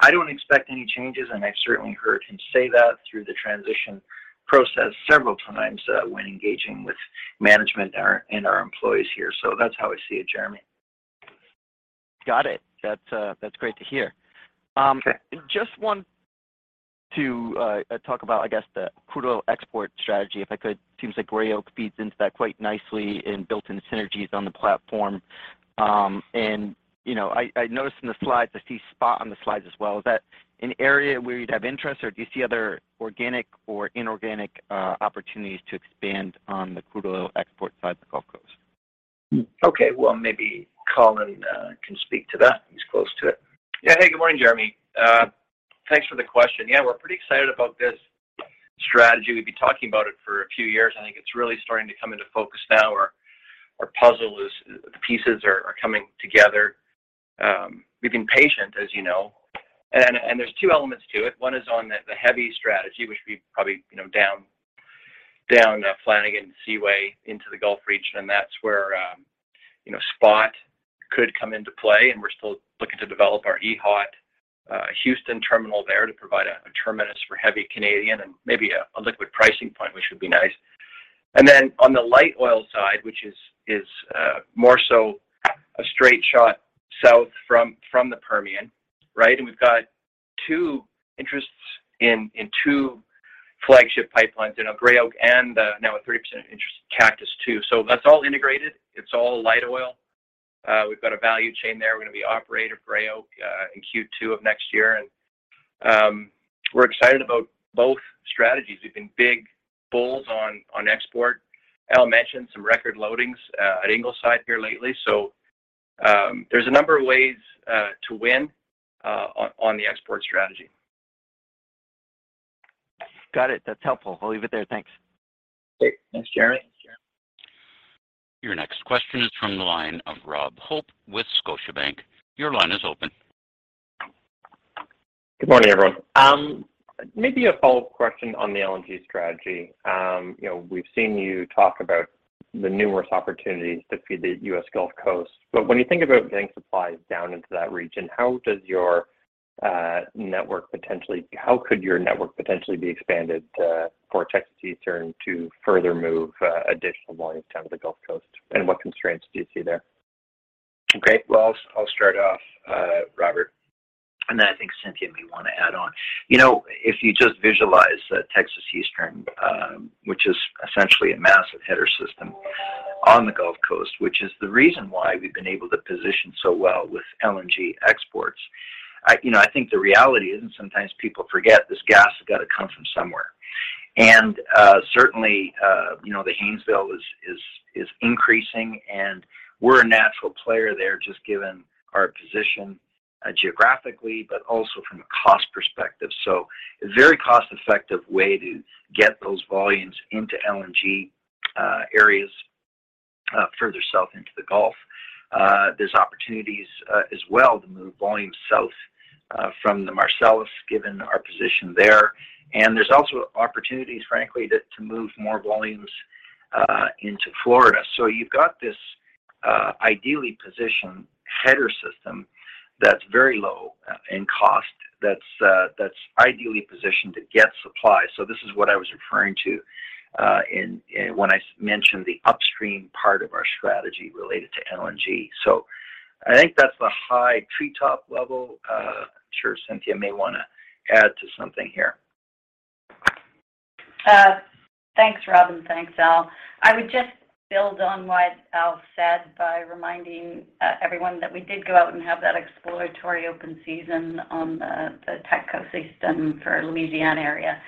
I don't expect any changes, and I've certainly heard him say that through the transition process several times when engaging with management and our employees here. That's how I see it, Jeremy. Got it. That's great to hear. Okay. Just want to talk about, I guess, the crude oil export strategy, if I could. Seems like Gray Oak feeds into that quite nicely and built in synergies on the platform. You know, I noticed in the slides, I see SPOT on the slides as well. Is that an area where you'd have interest, or do you see other organic or inorganic opportunities to expand on the crude oil export side of the Gulf Coast? Okay. Well, maybe Colin can speak to that. He's close to it. Yeah. Hey, good morning, Jeremy. Thanks for the question. Yeah, we're pretty excited about this strategy. We've been talking about it for a few years, and I think it's really starting to come into focus now. Our puzzle is the pieces are coming together. We've been patient, as you know. There's two elements to it. One is on the heavy strategy, which would be probably, you know, down Flanagan South and Seaway into the Gulf region, and that's where, you know, SPOT could come into play, and we're still looking to develop our EHOT Houston terminal there to provide a terminus for heavy Canadian and maybe a liquid pricing point, which would be nice. Then on the light oil side, which is more so a straight shot south from the Permian, right? We've got- Two interests in two flagship pipelines, you know, Gray Oak and now a 30% interest in Cactus II. That's all integrated. It's all light oil. We've got a value chain there. We're gonna be operator of Gray Oak in Q2 of next year. We're excited about both strategies. We've been big bulls on export. Al mentioned some record loadings at Ingleside here lately. There's a number of ways to win on the export strategy. Got it. That's helpful. I'll leave it there. Thanks. Great. Thanks, Jeremy. Your next question is from the line of Robert Hope with Scotiabank. Your line is open. Good morning, everyone. Maybe a follow-up question on the LNG strategy. You know, we've seen you talk about the numerous opportunities to feed the U.S. Gulf Coast. When you think about getting supplies down into that region, how could your network potentially be expanded for Texas Eastern to further move additional volumes down to the Gulf Coast? What constraints do you see there? Well, I'll start off, Robert, and then I think Cynthia may wanna add on. You know, if you just visualize Texas Eastern, which is essentially a massive header system on the Gulf Coast, which is the reason why we've been able to position so well with LNG exports. You know, I think the reality is, and sometimes people forget, this gas has got to come from somewhere. Certainly, you know, the Haynesville is increasing, and we're a natural player there just given our position, geographically, but also from a cost perspective. So a very cost-effective way to get those volumes into LNG areas, further south into the Gulf. There's opportunities, as well to move volumes south, from the Marcellus, given our position there. There's also opportunities, frankly, to move more volumes into Florida. You've got this ideally positioned header system that's very low in cost that's ideally positioned to get supply. This is what I was referring to when I mentioned the upstream part of our strategy related to LNG. I think that's the high treetop level. I'm sure Cynthia may wanna add to something here. Thanks, Rob, and thanks, Al. I would just build on what Al said by reminding everyone that we did go out and have that exploratory open season on the Texas Eastern system for Louisiana area.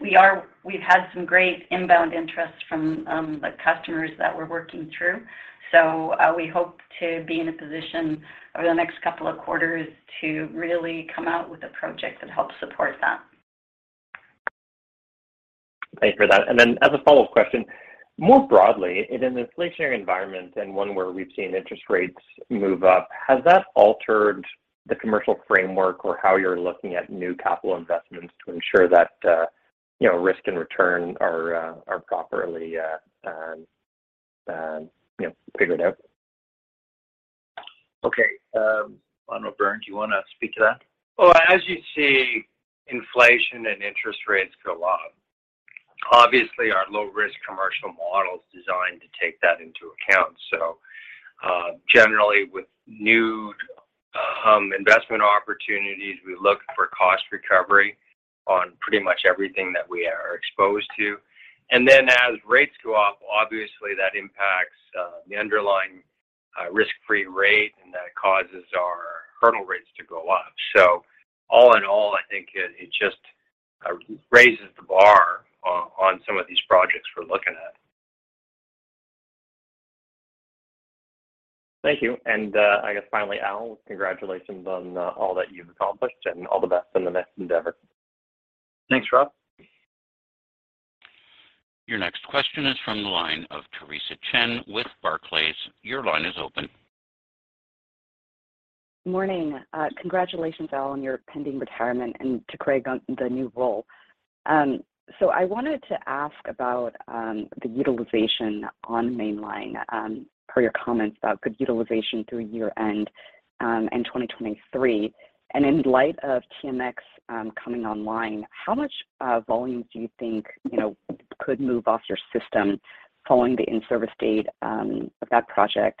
We've had some great inbound interest from the customers that we're working through. We hope to be in a position over the next couple of quarters to really come out with a project that helps support that. Thanks for that. As a follow-up question, more broadly, in an inflationary environment and one where we've seen interest rates move up, has that altered the commercial framework or how you're looking at new capital investments to ensure that, you know, risk and return are properly, you know, figured out? Okay. I don't know. Vern, do you wanna speak to that? Well, as you see inflation and interest rates go up, obviously our low-risk commercial model is designed to take that into account. Generally, with new investment opportunities, we look for cost recovery on pretty much everything that we are exposed to. As rates go up, obviously that impacts the underlying risk-free rate, and that causes our hurdle rates to go up. All in all, I think it just raises the bar on some of these projects we're looking at. Thank you. I guess finally, Al, congratulations on all that you've accomplished, and all the best in the next endeavor. Thanks, Rob. Your next question is from the line of Theresa Chen with Barclays. Your line is open. Morning. Congratulations, Al, on your pending retirement and to Greg Ebel on the new role. I wanted to ask about the utilization on Mainline per your comments about good utilization through year-end and 2023. In light of TMX coming online, how much volumes do you think, you know, could move off your system following the in-service date of that project?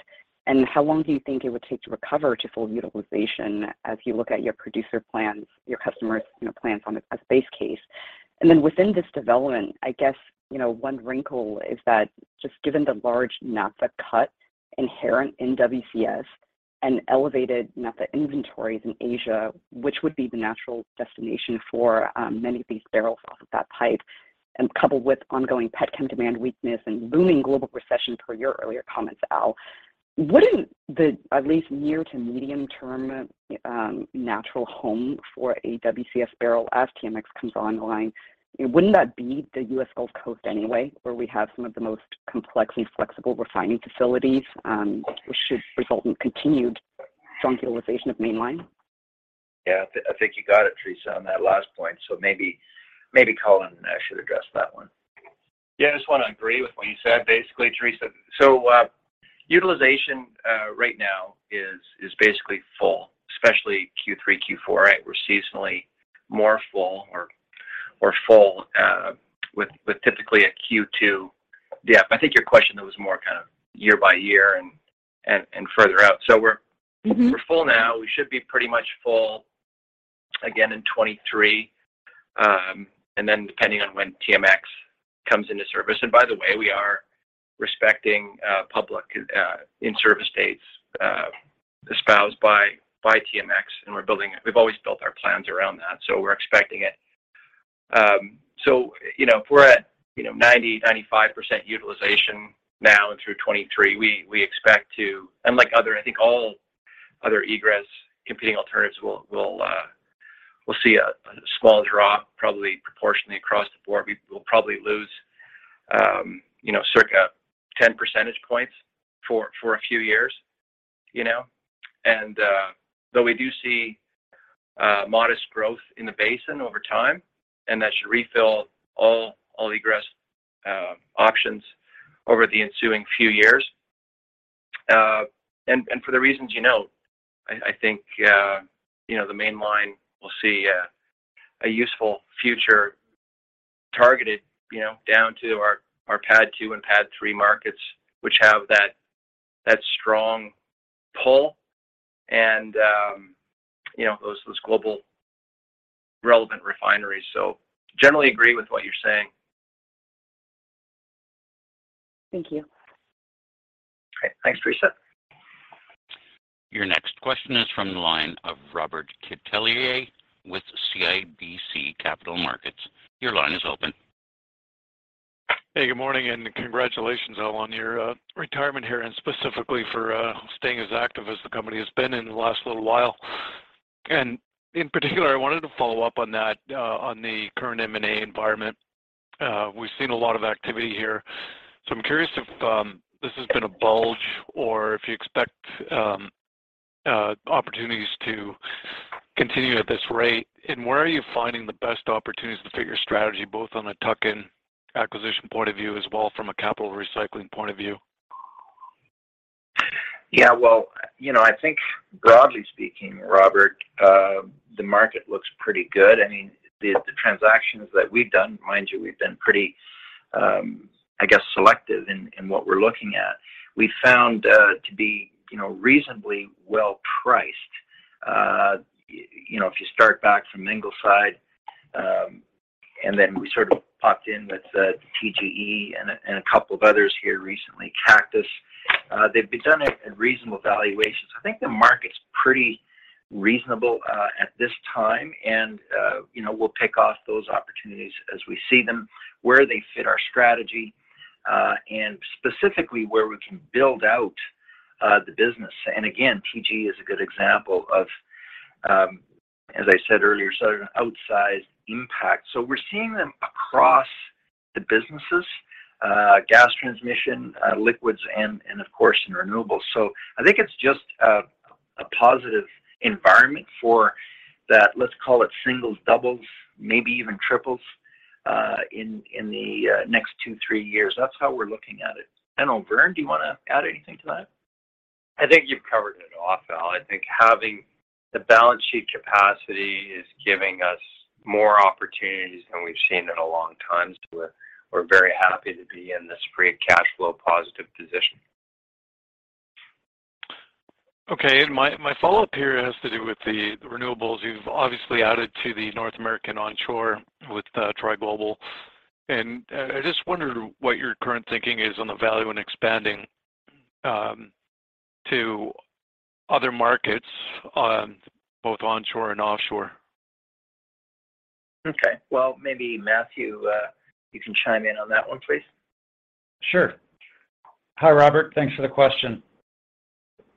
How long do you think it would take to recover to full utilization as you look at your producer plans, your customers, you know, plans on a base case? Within this development, I guess, you know, one wrinkle is that just given the large naphtha cut inherent in WCS and elevated naphtha inventories in Asia, which would be the natural destination for many of these barrels off of that pipe, and coupled with ongoing petrochemical demand weakness and looming global recession, per your earlier comments, Al, wouldn't the at least near to medium-term natural home for a WCS barrel as TMX comes online, wouldn't that be the US Gulf Coast anyway, where we have some of the most complex and flexible refining facilities, which should result in continued strong utilization of Mainline? Yeah. I think you got it, Theresa, on that last point. Maybe Colin should address that one. Yeah. I just wanna agree with what you said, basically, Theresa. Utilization right now is basically full, especially Q3, Q4, right? We're seasonally more full or Overall with typically a Q2 dip. I think your question though was more kind of year by year and further out. We're full now. We should be pretty much full again in 2023. Then depending on when TMX comes into service. By the way, we are respecting public in-service dates espoused by TMX, and we're building. We've always built our plans around that, so we're expecting it. You know, if we're at, you know, 90%-95% utilization now and through 2023, we expect to. Unlike other, I think all other egress competing alternatives will see a small drop probably proportionally across the board. We will probably lose, you know, circa 10 percentage points for a few years, you know? Though we do see modest growth in the basin over time, and that should refill all egress options over the ensuing few years. For the reasons you note, I think, you know, the Mainline will see a useful future targeted, you know, down to our PADD II and PADD III markets, which have that strong pull and, you know, those globally relevant refineries. Generally agree with what you're saying. Thank you. Okay. Thanks, Theresa. Your next question is from the line of Robert Catellier with CIBC Capital Markets. Your line is open. Hey, good morning, and congratulations, Al, on your retirement here, and specifically for staying as active as the company has been in the last little while. In particular, I wanted to follow up on that, on the current M&A environment. We've seen a lot of activity here, so I'm curious if this has been a bulge or if you expect opportunities to continue at this rate. Where are you finding the best opportunities to fit your strategy, both on a tuck-in acquisition point of view as well from a capital recycling point of view? Yeah, well, you know, I think broadly speaking, Robert, the market looks pretty good. I mean, the transactions that we've done, mind you, we've been pretty, I guess, selective in what we're looking at. We found to be, you know, reasonably well priced. You know, if you start back from Ingleside, and then we sort of popped in with TGE and a couple of others here recently, Cactus, they've been done at reasonable valuations. I think the market's pretty reasonable at this time and, you know, we'll tick off those opportunities as we see them, where they fit our strategy, and specifically where we can build out the business. Again, TGE is a good example of, as I said earlier, sort of an outsized impact. We're seeing them across the businesses, Gas Transmission, Liquids, and of course in Renewables. I think it's just a positive environment for that, let's call it singles, doubles, maybe even triples, in the next 2-3 years. That's how we're looking at it. Al, Vern, do you wanna add anything to that? I think you've covered it all, Al. I think having the balance sheet capacity is giving us more opportunities than we've seen in a long time, so we're very happy to be in this free cash flow positive position. Okay. My follow-up here has to do with the renewables. You've obviously added to the North American onshore with Tri Global, and I just wonder what your current thinking is on the value in expanding to other markets on both onshore and offshore. Okay. Well, maybe Matthew, you can chime in on that one, please. Sure. Hi, Robert. Thanks for the question.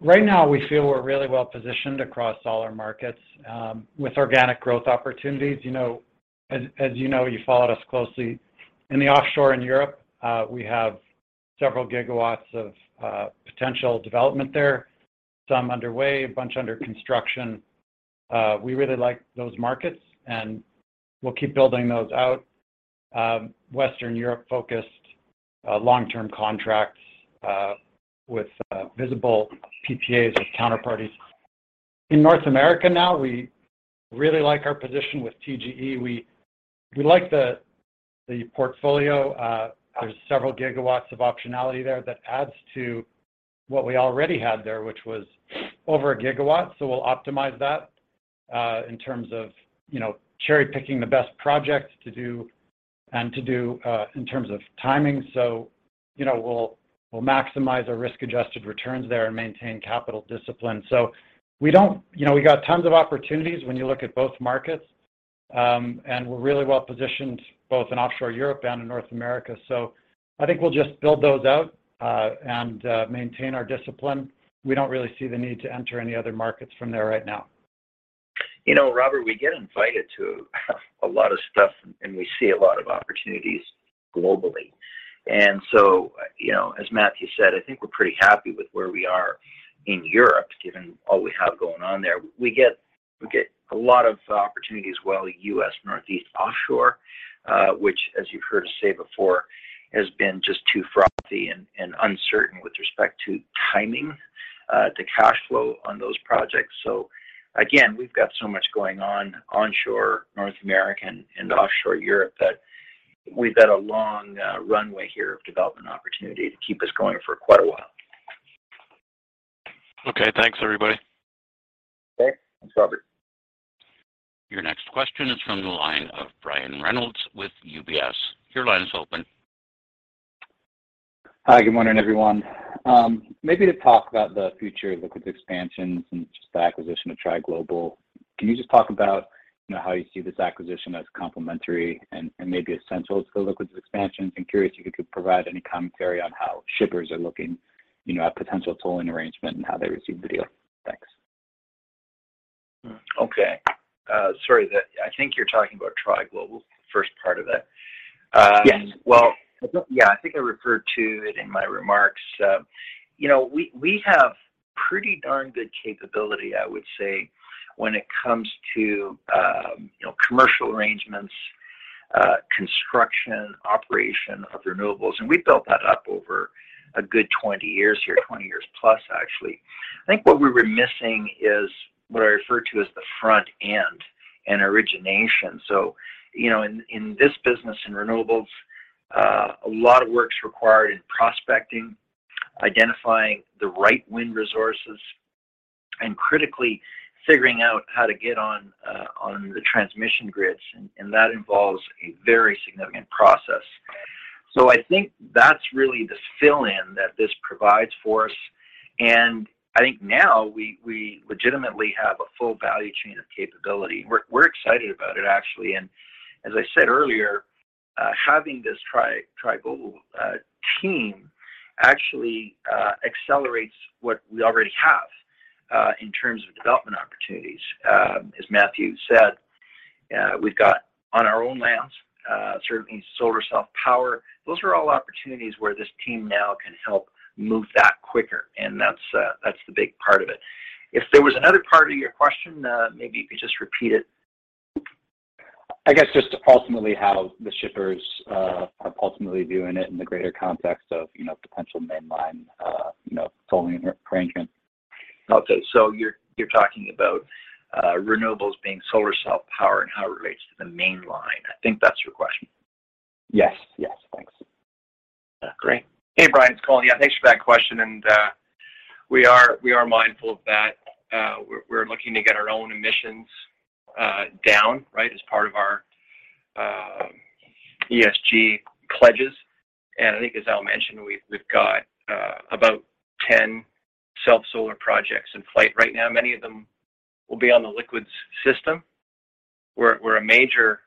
Right now we feel we're really well positioned across all our markets with organic growth opportunities. You know, as you know, you followed us closely. In the offshore in Europe, we have several gigawatts of potential development there, some underway, a bunch under construction. We really like those markets, and we'll keep building those out. Western Europe-focused long-term contracts with visible PPAs with counterparties. In North America now, we really like our position with TGE. We like the portfolio. There's several gigawatts of optionality there that adds to what we already had there, which was over a gigawatt. So we'll optimize that in terms of, you know, cherry-picking the best projects to do in terms of timing. You know, we'll maximize our risk-adjusted returns there and maintain capital discipline. You know, we got tons of opportunities when you look at both markets, and we're really well positioned both in offshore Europe and in North America. I think we'll just build those out, and maintain our discipline. We don't really see the need to enter any other markets from there right now. You know, Robert, we get invited to a lot of stuff, and we see a lot of opportunities globally. You know, as Matthew said, I think we're pretty happy with where we are in Europe, given all we have going on there. We get a lot of opportunities as well, US Northeast offshore, which as you've heard us say before, has been just too frothy and uncertain with respect to timing. The cash flow on those projects. We've got so much going on onshore North American and offshore Europe that we've got a long runway here of development opportunity to keep us going for quite a while. Okay. Thanks, everybody. Okay. Thanks, Robert. Your next question is from the line of Brian Reynolds with UBS. Your line is open. Hi. Good morning, everyone. Maybe to talk about the future liquids expansions and just the acquisition of Tri Global. Can you just talk about, you know, how you see this acquisition as complementary and maybe essential to the liquids expansions? I'm curious if you could provide any commentary on how shippers are looking, you know, at potential tolling arrangement and how they receive the deal. Thanks. Okay. Sorry, I think you're talking about Tri Global, the first part of it. Yes. Well, yeah, I think I referred to it in my remarks. You know, we have pretty darn good capability, I would say, when it comes to, you know, commercial arrangements, construction, operation of renewables, and we built that up over a good 20 years here, 20 years plus, actually. I think what we were missing is what I refer to as the front end and origination. You know, in this business, in renewables, a lot of work's required in prospecting, identifying the right wind resources, and critically figuring out how to get on the transmission grids, and that involves a very significant process. I think that's really this fill in that this provides for us, and I think now we legitimately have a full value chain of capability. We're excited about it, actually. As I said earlier, having this Tri Global team actually accelerates what we already have in terms of development opportunities. As Matthew said, we've got on our own lands certainly solar self-power. Those are all opportunities where this team now can help move that quicker, and that's the big part of it. If there was another part of your question, maybe you could just repeat it. I guess just ultimately how the shippers are ultimately viewing it in the greater context of, you know, potential Mainline, you know, tolling arrangements. Okay. You're talking about renewables being solar self-power and how it relates to the Mainline. I think that's your question. Yes. Yes. Thanks. Great. Hey, Brian, it's Colin. Yeah, thanks for that question. We are mindful of that. We're looking to get our own emissions down, right, as part of our ESG pledges. I think as Al mentioned, we've got about 10 self-solar projects in flight right now. Many of them will be on the liquids system. We're a major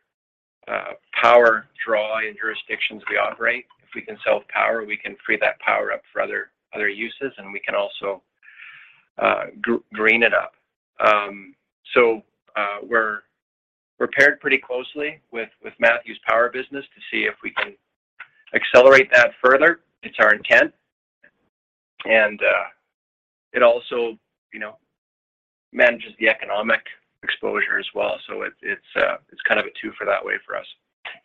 power draw in jurisdictions we operate. If we can self-power, we can free that power up for other uses, and we can also green it up. We're paired pretty closely with Matthew's power business to see if we can accelerate that further. It's our intent. It also, you know, manages the economic exposure as well. It's kind of a twofer that way for us.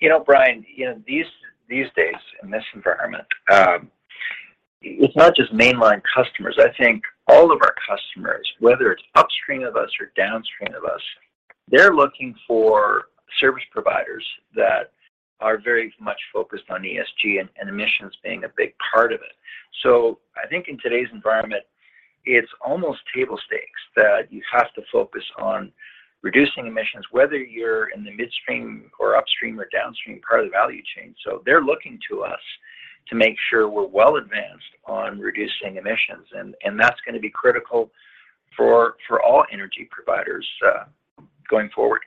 You know, Brian, these days in this environment, it's not just mainline customers. I think all of our customers, whether it's upstream of us or downstream of us, they're looking for service providers that are very much focused on ESG and emissions being a big part of it. I think in today's environment, it's almost table stakes that you have to focus on reducing emissions, whether you're in the midstream or upstream or downstream part of the value chain. They're looking to us to make sure we're well advanced on reducing emissions, and that's gonna be critical for all energy providers, going forward.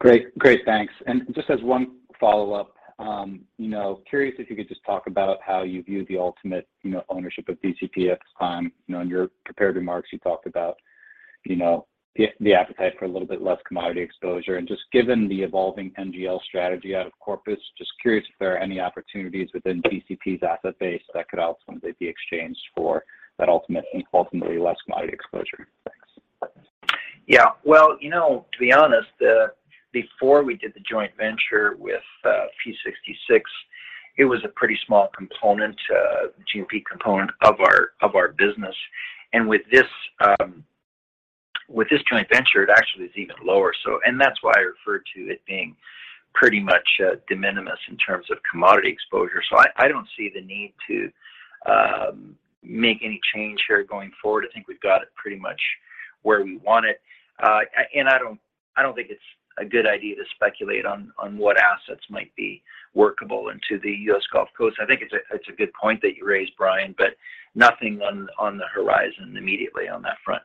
Great. Thanks. Just as one follow-up, you know, curious if you could just talk about how you view the ultimate, you know, ownership of DCP at this time. You know, in your prepared remarks, you talked about, you know, the appetite for a little bit less commodity exposure. Just given the evolving NGL strategy out of Corpus, just curious if there are any opportunities within DCP's asset base that could ultimately be exchanged for that ultimately less commodity exposure. Thanks. To be honest, before we did the joint venture with Phillips 66, it was a pretty small component, G&P component of our business. With this joint venture, it actually is even lower. That's why I refer to it being pretty much de minimis in terms of commodity exposure. I don't see the need to make any change here going forward. I think we've got it pretty much where we want it. I don't think it's a good idea to speculate on what assets might be workable into the U.S. Gulf Coast. I think it's a good point that you raised, Brian, but nothing on the horizon immediately on that front.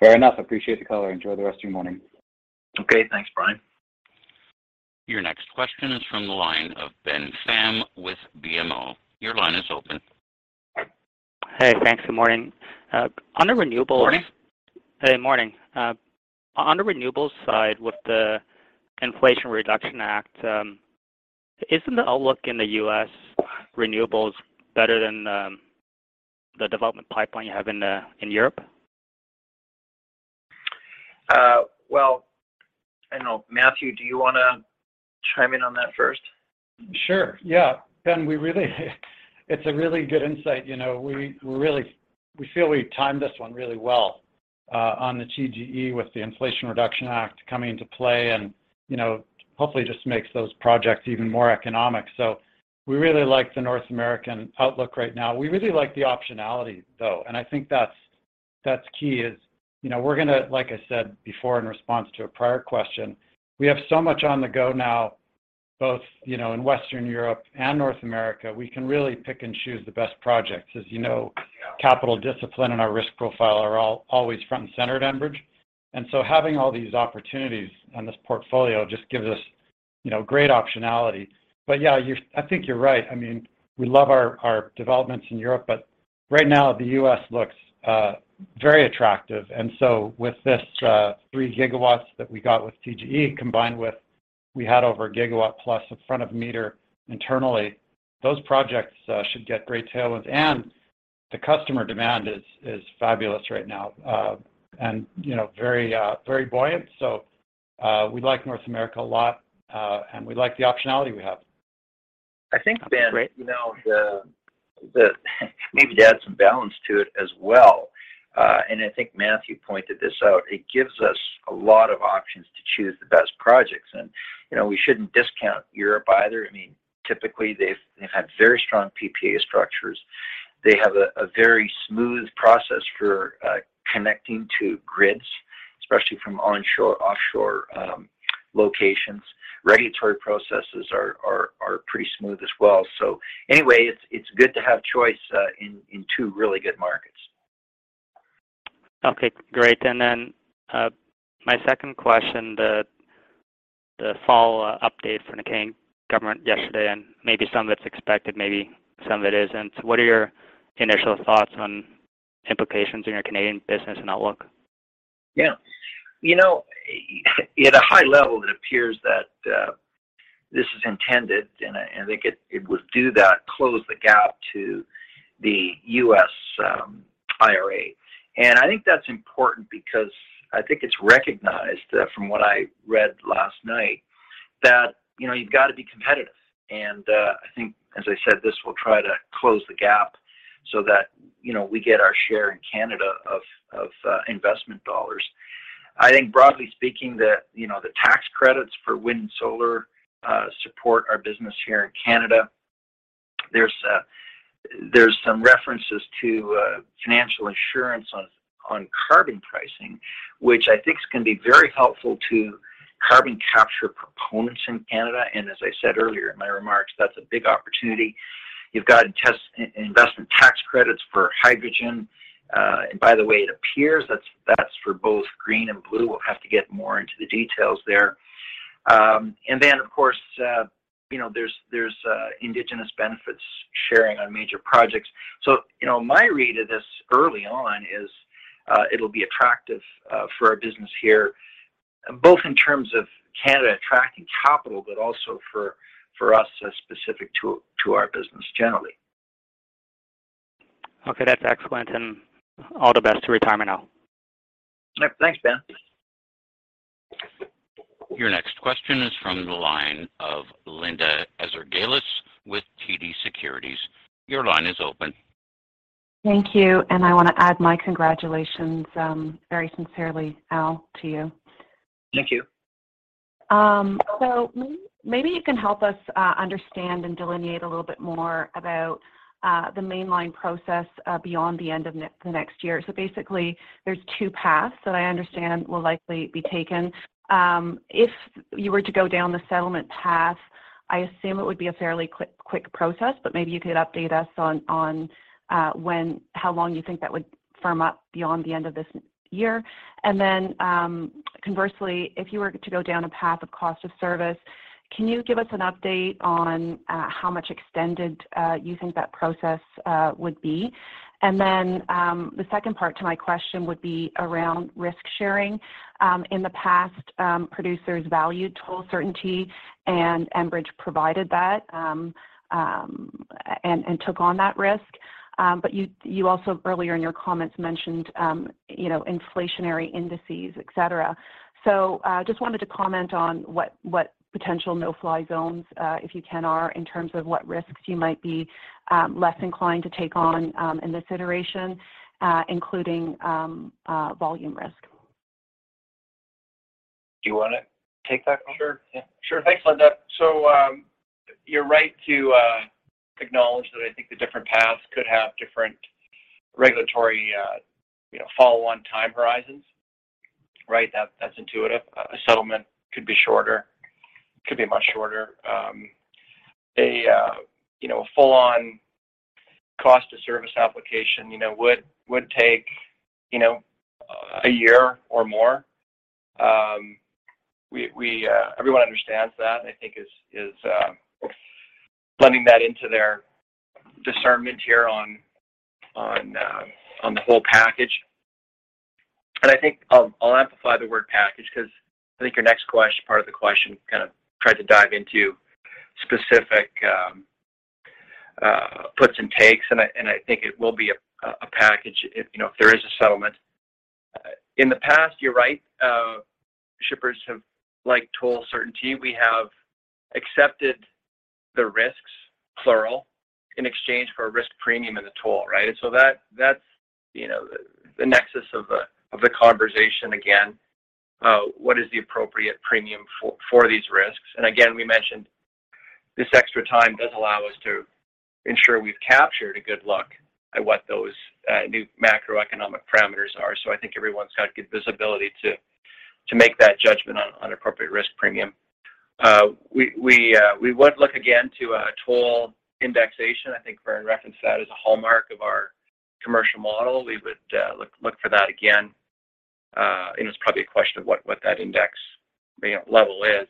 Fair enough. Appreciate the color. Enjoy the rest of your morning. Okay. Thanks, Brian. Your next question is from the line of Ben Pham with BMO. Your line is open. Hey, thanks. Good morning. On the renewables. Morning. Hey. Morning. On the renewables side with the Inflation Reduction Act, isn't the outlook in the U.S. renewables better than the development pipeline you have in Europe? Well, I don't know. Matthew, do you wanna chime in on that first? Sure, yeah. Ben, it's a really good insight. You know, we feel we timed this one really well on the TGE with the Inflation Reduction Act coming into play and, you know, hopefully just makes those projects even more economic. We really like the North American outlook right now. We really like the optionality, though, and I think that's key, you know, we're gonna, like I said before in response to a prior question, we have so much on the go now, both, you know, in Western Europe and North America. We can really pick and choose the best projects. As you know, capital discipline and our risk profile are always front and center at Enbridge. Having all these opportunities on this portfolio just gives us, you know, great optionality. Yeah, I think you're right. I mean, we love our developments in Europe, but right now the US looks very attractive. With this 3 gigawatts that we got with TGE combined with we had over 1 gigawatt plus of front of meter internally, those projects should get great tailwinds. The customer demand is fabulous right now, and you know, very very buoyant. We like North America a lot, and we like the optionality we have. I think, Ben. You know, maybe to add some balance to it as well. I think Matthew pointed this out. It gives us a lot of options to choose the best projects. You know, we shouldn't discount Europe either. I mean, typically they've had very strong PPA structures. They have a very smooth process for connecting to grids, especially from onshore, offshore locations. Regulatory processes are pretty smooth as well. Anyway, it's good to have choice in two really good markets. Okay, great. My second question, the fall update from the Canadian government yesterday, and maybe some of it's expected, maybe some of it isn't. What are your initial thoughts on implications in your Canadian business and outlook? Yeah. You know, at a high level, it appears that this is intended and I think it would do that, close the gap to the U.S. IRA. I think that's important because I think it's recognized from what I read last night, that you know, you've got to be competitive. I think, as I said, this will try to close the gap so that you know, we get our share in Canada of investment dollars. I think broadly speaking, the you know, the tax credits for wind and solar support our business here in Canada. There's some references to financial insurance on carbon pricing, which I think can be very helpful to carbon capture proponents in Canada. As I said earlier in my remarks, that's a big opportunity. You've got investment tax credits for hydrogen. By the way, it appears that's for both green and blue. We'll have to get more into the details there. Of course, you know, there's Indigenous benefits sharing on major projects. You know, my read of this early on is it'll be attractive for our business here, both in terms of Canada attracting capital, but also for us as specific to our business generally. Okay, that's excellent. All the best to retirement, Al. Yep. Thanks, Ben. Your next question is from the line of Linda Ezergailis with TD Securities. Your line is open. Thank you. I want to add my congratulations, very sincerely, Al, to you. Thank you. Maybe you can help us understand and delineate a little bit more about the mainline process beyond the end of next year. Basically, there's two paths that I understand will likely be taken. If you were to go down the settlement path, I assume it would be a fairly quick process, but maybe you could update us on how long you think that would firm up beyond the end of this year. Conversely, if you were to go down a path of cost of service, can you give us an update on how much extended you think that process would be. The second part to my question would be around risk-sharing. In the past, producers valued total certainty, and Enbridge provided that and took on that risk. You also earlier in your comments mentioned, you know, inflationary indices, et cetera. Just wanted to comment on what potential no-fly zones, if you can, are in terms of what risks you might be less inclined to take on in this iteration, including volume risk. Do you want to take that, Matthew? Sure. Thanks, Linda. You're right to acknowledge that I think the different paths could have different regulatory, you know, follow on time horizons, right? That's intuitive. A settlement could be shorter, could be much shorter. A full-on cost of service application would take a year or more. Everyone understands that, I think, blending that into their discernment here on the whole package. I think I'll amplify the word package because I think your next part of the question kind of tried to dive into specific. Puts and takes, and I think it will be a package if, you know, if there is a settlement. In the past, you're right, shippers have liked toll certainty. We have accepted the risks, plural, in exchange for a risk premium in the toll, right? That's, you know, the nexus of the conversation again, what is the appropriate premium for these risks? Again, we mentioned this extra time does allow us to ensure we've captured a good look at what those new macroeconomic parameters are. I think everyone's got good visibility to make that judgment on appropriate risk premium. We would look again to a toll indexation. I think Vern referenced that as a hallmark of our commercial model. We would look for that again. It's probably a question of what that index, you know, level is.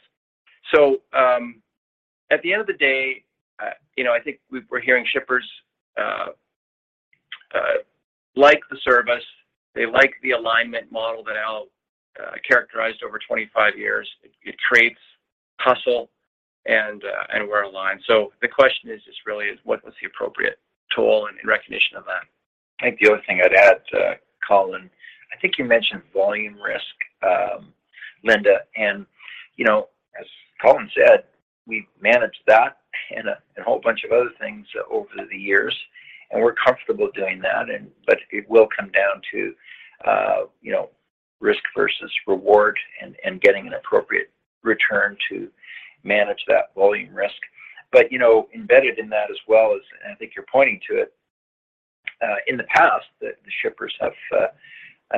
At the end of the day, you know, I think we're hearing shippers like the service. They like the alignment model that Al characterized over 25 years. It treats us well and we're aligned. The question is just really what was the appropriate toll and in recognition of that. I think the other thing I'd add to Colin. I think you mentioned volume risk, Linda, and you know, as Colin said, we've managed that and a whole bunch of other things over the years, and we're comfortable doing that. It will come down to you know, risk versus reward and getting an appropriate return to manage that volume risk. You know, embedded in that as well is, and I think you're pointing to it, in the past, the shippers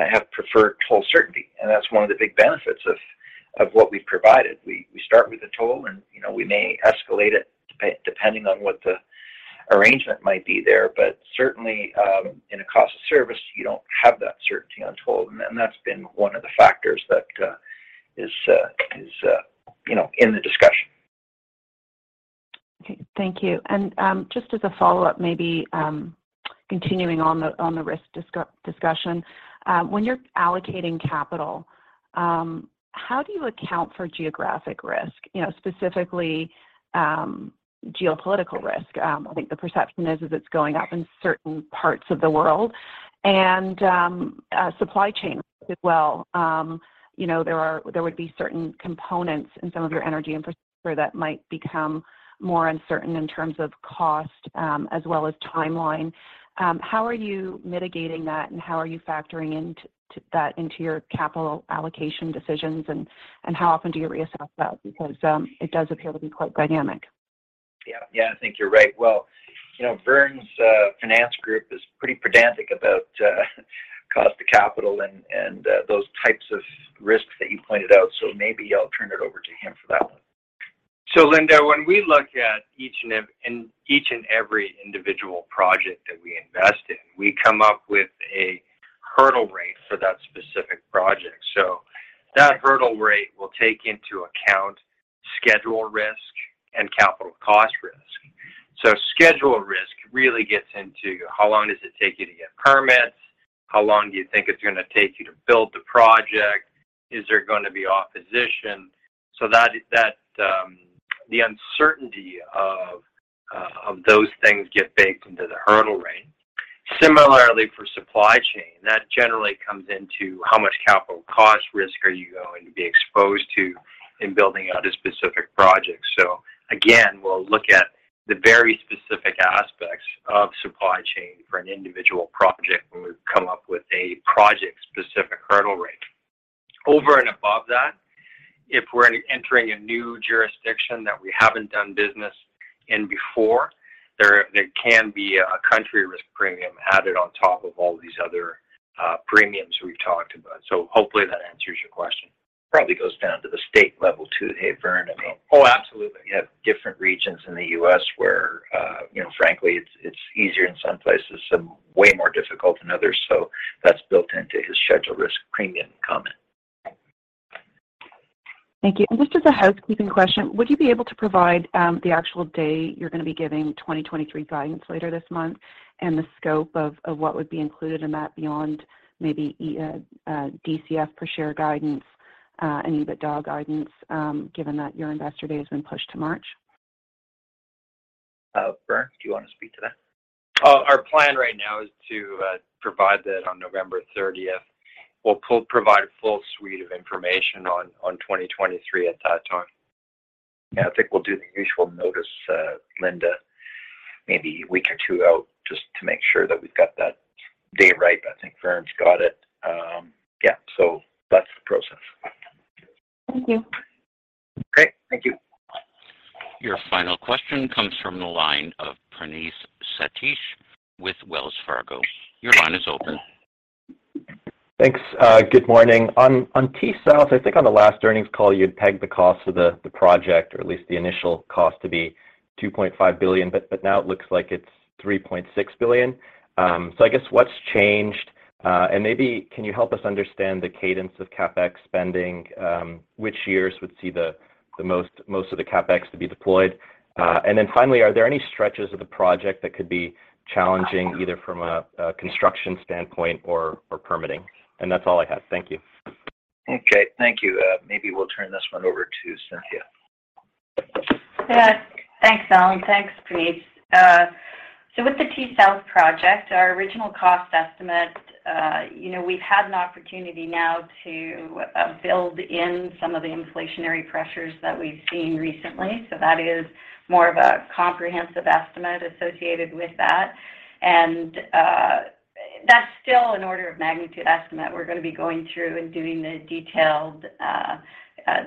have preferred toll certainty, and that's one of the big benefits of what we've provided. We start with a toll and you know, we may escalate it depending on what the arrangement might be there. Certainly, in a cost of service, you don't have that certainty on toll. That's been one of the factors that is, you know, in the discussion. Okay. Thank you. Just as a follow-up, maybe continuing on the risk discussion. When you're allocating capital, how do you account for geographic risk, you know, specifically geopolitical risk? I think the perception is it's going up in certain parts of the world and supply chain as well. You know, there would be certain components in some of your energy infrastructure that might become more uncertain in terms of cost, as well as timeline. How are you mitigating that, and how are you factoring into that, into your capital allocation decisions and how often do you reassess that? Because it does appear to be quite dynamic. Yeah. Yeah, I think you're right. Well, you know, Vern's finance group is pretty pedantic about cost of capital and those types of risks that you pointed out. Maybe I'll turn it over to him for that one. Linda, when we look at each and every individual project that we invest in, we come up with a hurdle rate for that specific project. That hurdle rate will take into account schedule risk and capital cost risk. Schedule risk really gets into how long does it take you to get permits? How long do you think it's gonna take you to build the project? Is there gonna be opposition? That the uncertainty of those things get baked into the hurdle rate. Similarly for supply chain, that generally comes into how much capital cost risk are you going to be exposed to in building out a specific project. Again, we'll look at the very specific aspects of supply chain for an individual project when we come up with a project-specific hurdle rate. Over and above that, if we're entering a new jurisdiction that we haven't done business in before, there can be a country risk premium added on top of all these other premiums we've talked about. Hopefully that answers your question. Probably goes down to the state level too, eh, Vern? I mean. Oh, absolutely. You have different regions in the U.S. where, you know, frankly, it's easier in some places and way more difficult in others. That's built into his schedule risk premium comment. Thank you. Just as a housekeeping question, would you be able to provide the actual day you're gonna be giving 2023 guidance later this month and the scope of what would be included in that beyond maybe DCF per share guidance and EBITDA guidance, given that your Enbridge Day has been pushed to March? Vern, do you wanna speak to that? Our plan right now is to provide that on November thirtieth, 2023. We'll provide a full suite of information on 2023 at that time. Yeah. I think we'll do the usual notice, Linda, maybe a week or two out just to make sure that we've got that day right. I think Vern's got it. Yeah. That's the process. Thank you. Great. Thank you. Your final question comes from the line of Praneeth Satish with Wells Fargo. Your line is open. Thanks. Good morning. On T-South, I think on the last earnings call you had pegged the cost of the project or at least the initial cost to be 2.5 billion, but now it looks like it's 3.6 billion. So I guess what's changed? And maybe can you help us understand the cadence of CapEx spending? Which years would see the most of the CapEx to be deployed? And then finally, are there any stretches of the project that could be challenging either from a construction standpoint or permitting? That's all I had. Thank you. Okay. Thank you. Maybe we'll turn this one over to Cynthia. Yeah. Thanks, Al. Thanks, Praneeth. With the T-South project, our original cost estimate, you know, we've had an opportunity now to build in some of the inflationary pressures that we've seen recently. That is more of a comprehensive estimate associated with that. That's still an order of magnitude estimate. We're gonna be going through and doing the detailed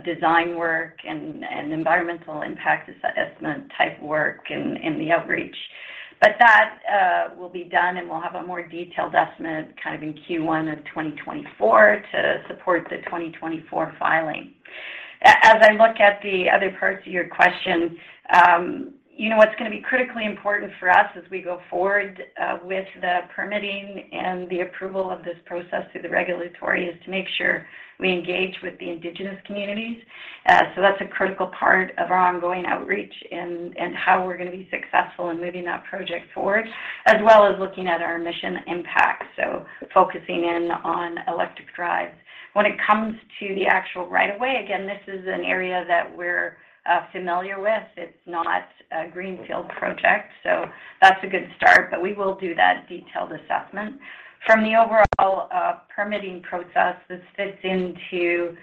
design work and environmental impact estimate type work and the outreach. That will be done, and we'll have a more detailed estimate kind of in Q1 of 2024 to support the 2024 filing. As I look at the other parts of your question, you know what's gonna be critically important for us as we go forward with the permitting and the approval of this process through the regulatory, is to make sure we engage with the Indigenous communities. That's a critical part of our ongoing outreach and how we're gonna be successful in moving that project forward, as well as looking at our emissions impact, so focusing in on electric drives. When it comes to the actual right of way, again, this is an area that we're familiar with. It's not a greenfield project, so that's a good start. We will do that detailed assessment. From the overall permitting process, this fits into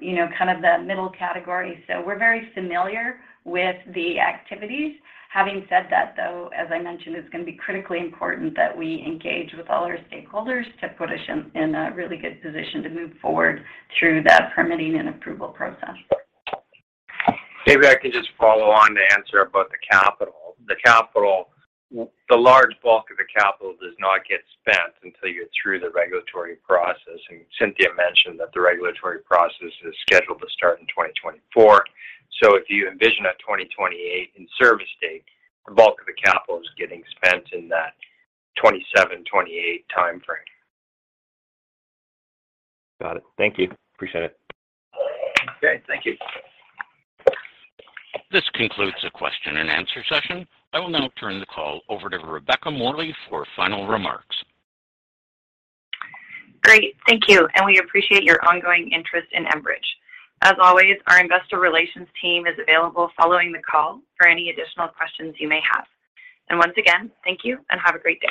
you know kind of the middle category, so we're very familiar with the activities. Having said that, though, as I mentioned, it's gonna be critically important that we engage with all our stakeholders to put us in a really good position to move forward through that permitting and approval process. Maybe I can just follow on to answer about the capital. The large bulk of the capital does not get spent until you're through the regulatory process. Cynthia mentioned that the regulatory process is scheduled to start in 2024. If you envision a 2028 in-service date, the bulk of the capital is getting spent in that 2027, 2028 timeframe. Got it. Thank you. Appreciate it. Okay, thank you. This concludes the question and answer session. I will now turn the call over to Rebecca Morley for final remarks. Great. Thank you, and we appreciate your ongoing interest in Enbridge. As always, our investor relations team is available following the call for any additional questions you may have. Once again, thank you and have a great day.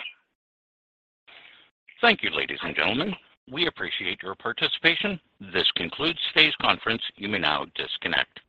Thank you, ladies and gentlemen. We appreciate your participation. This concludes today's conference. You may now disconnect.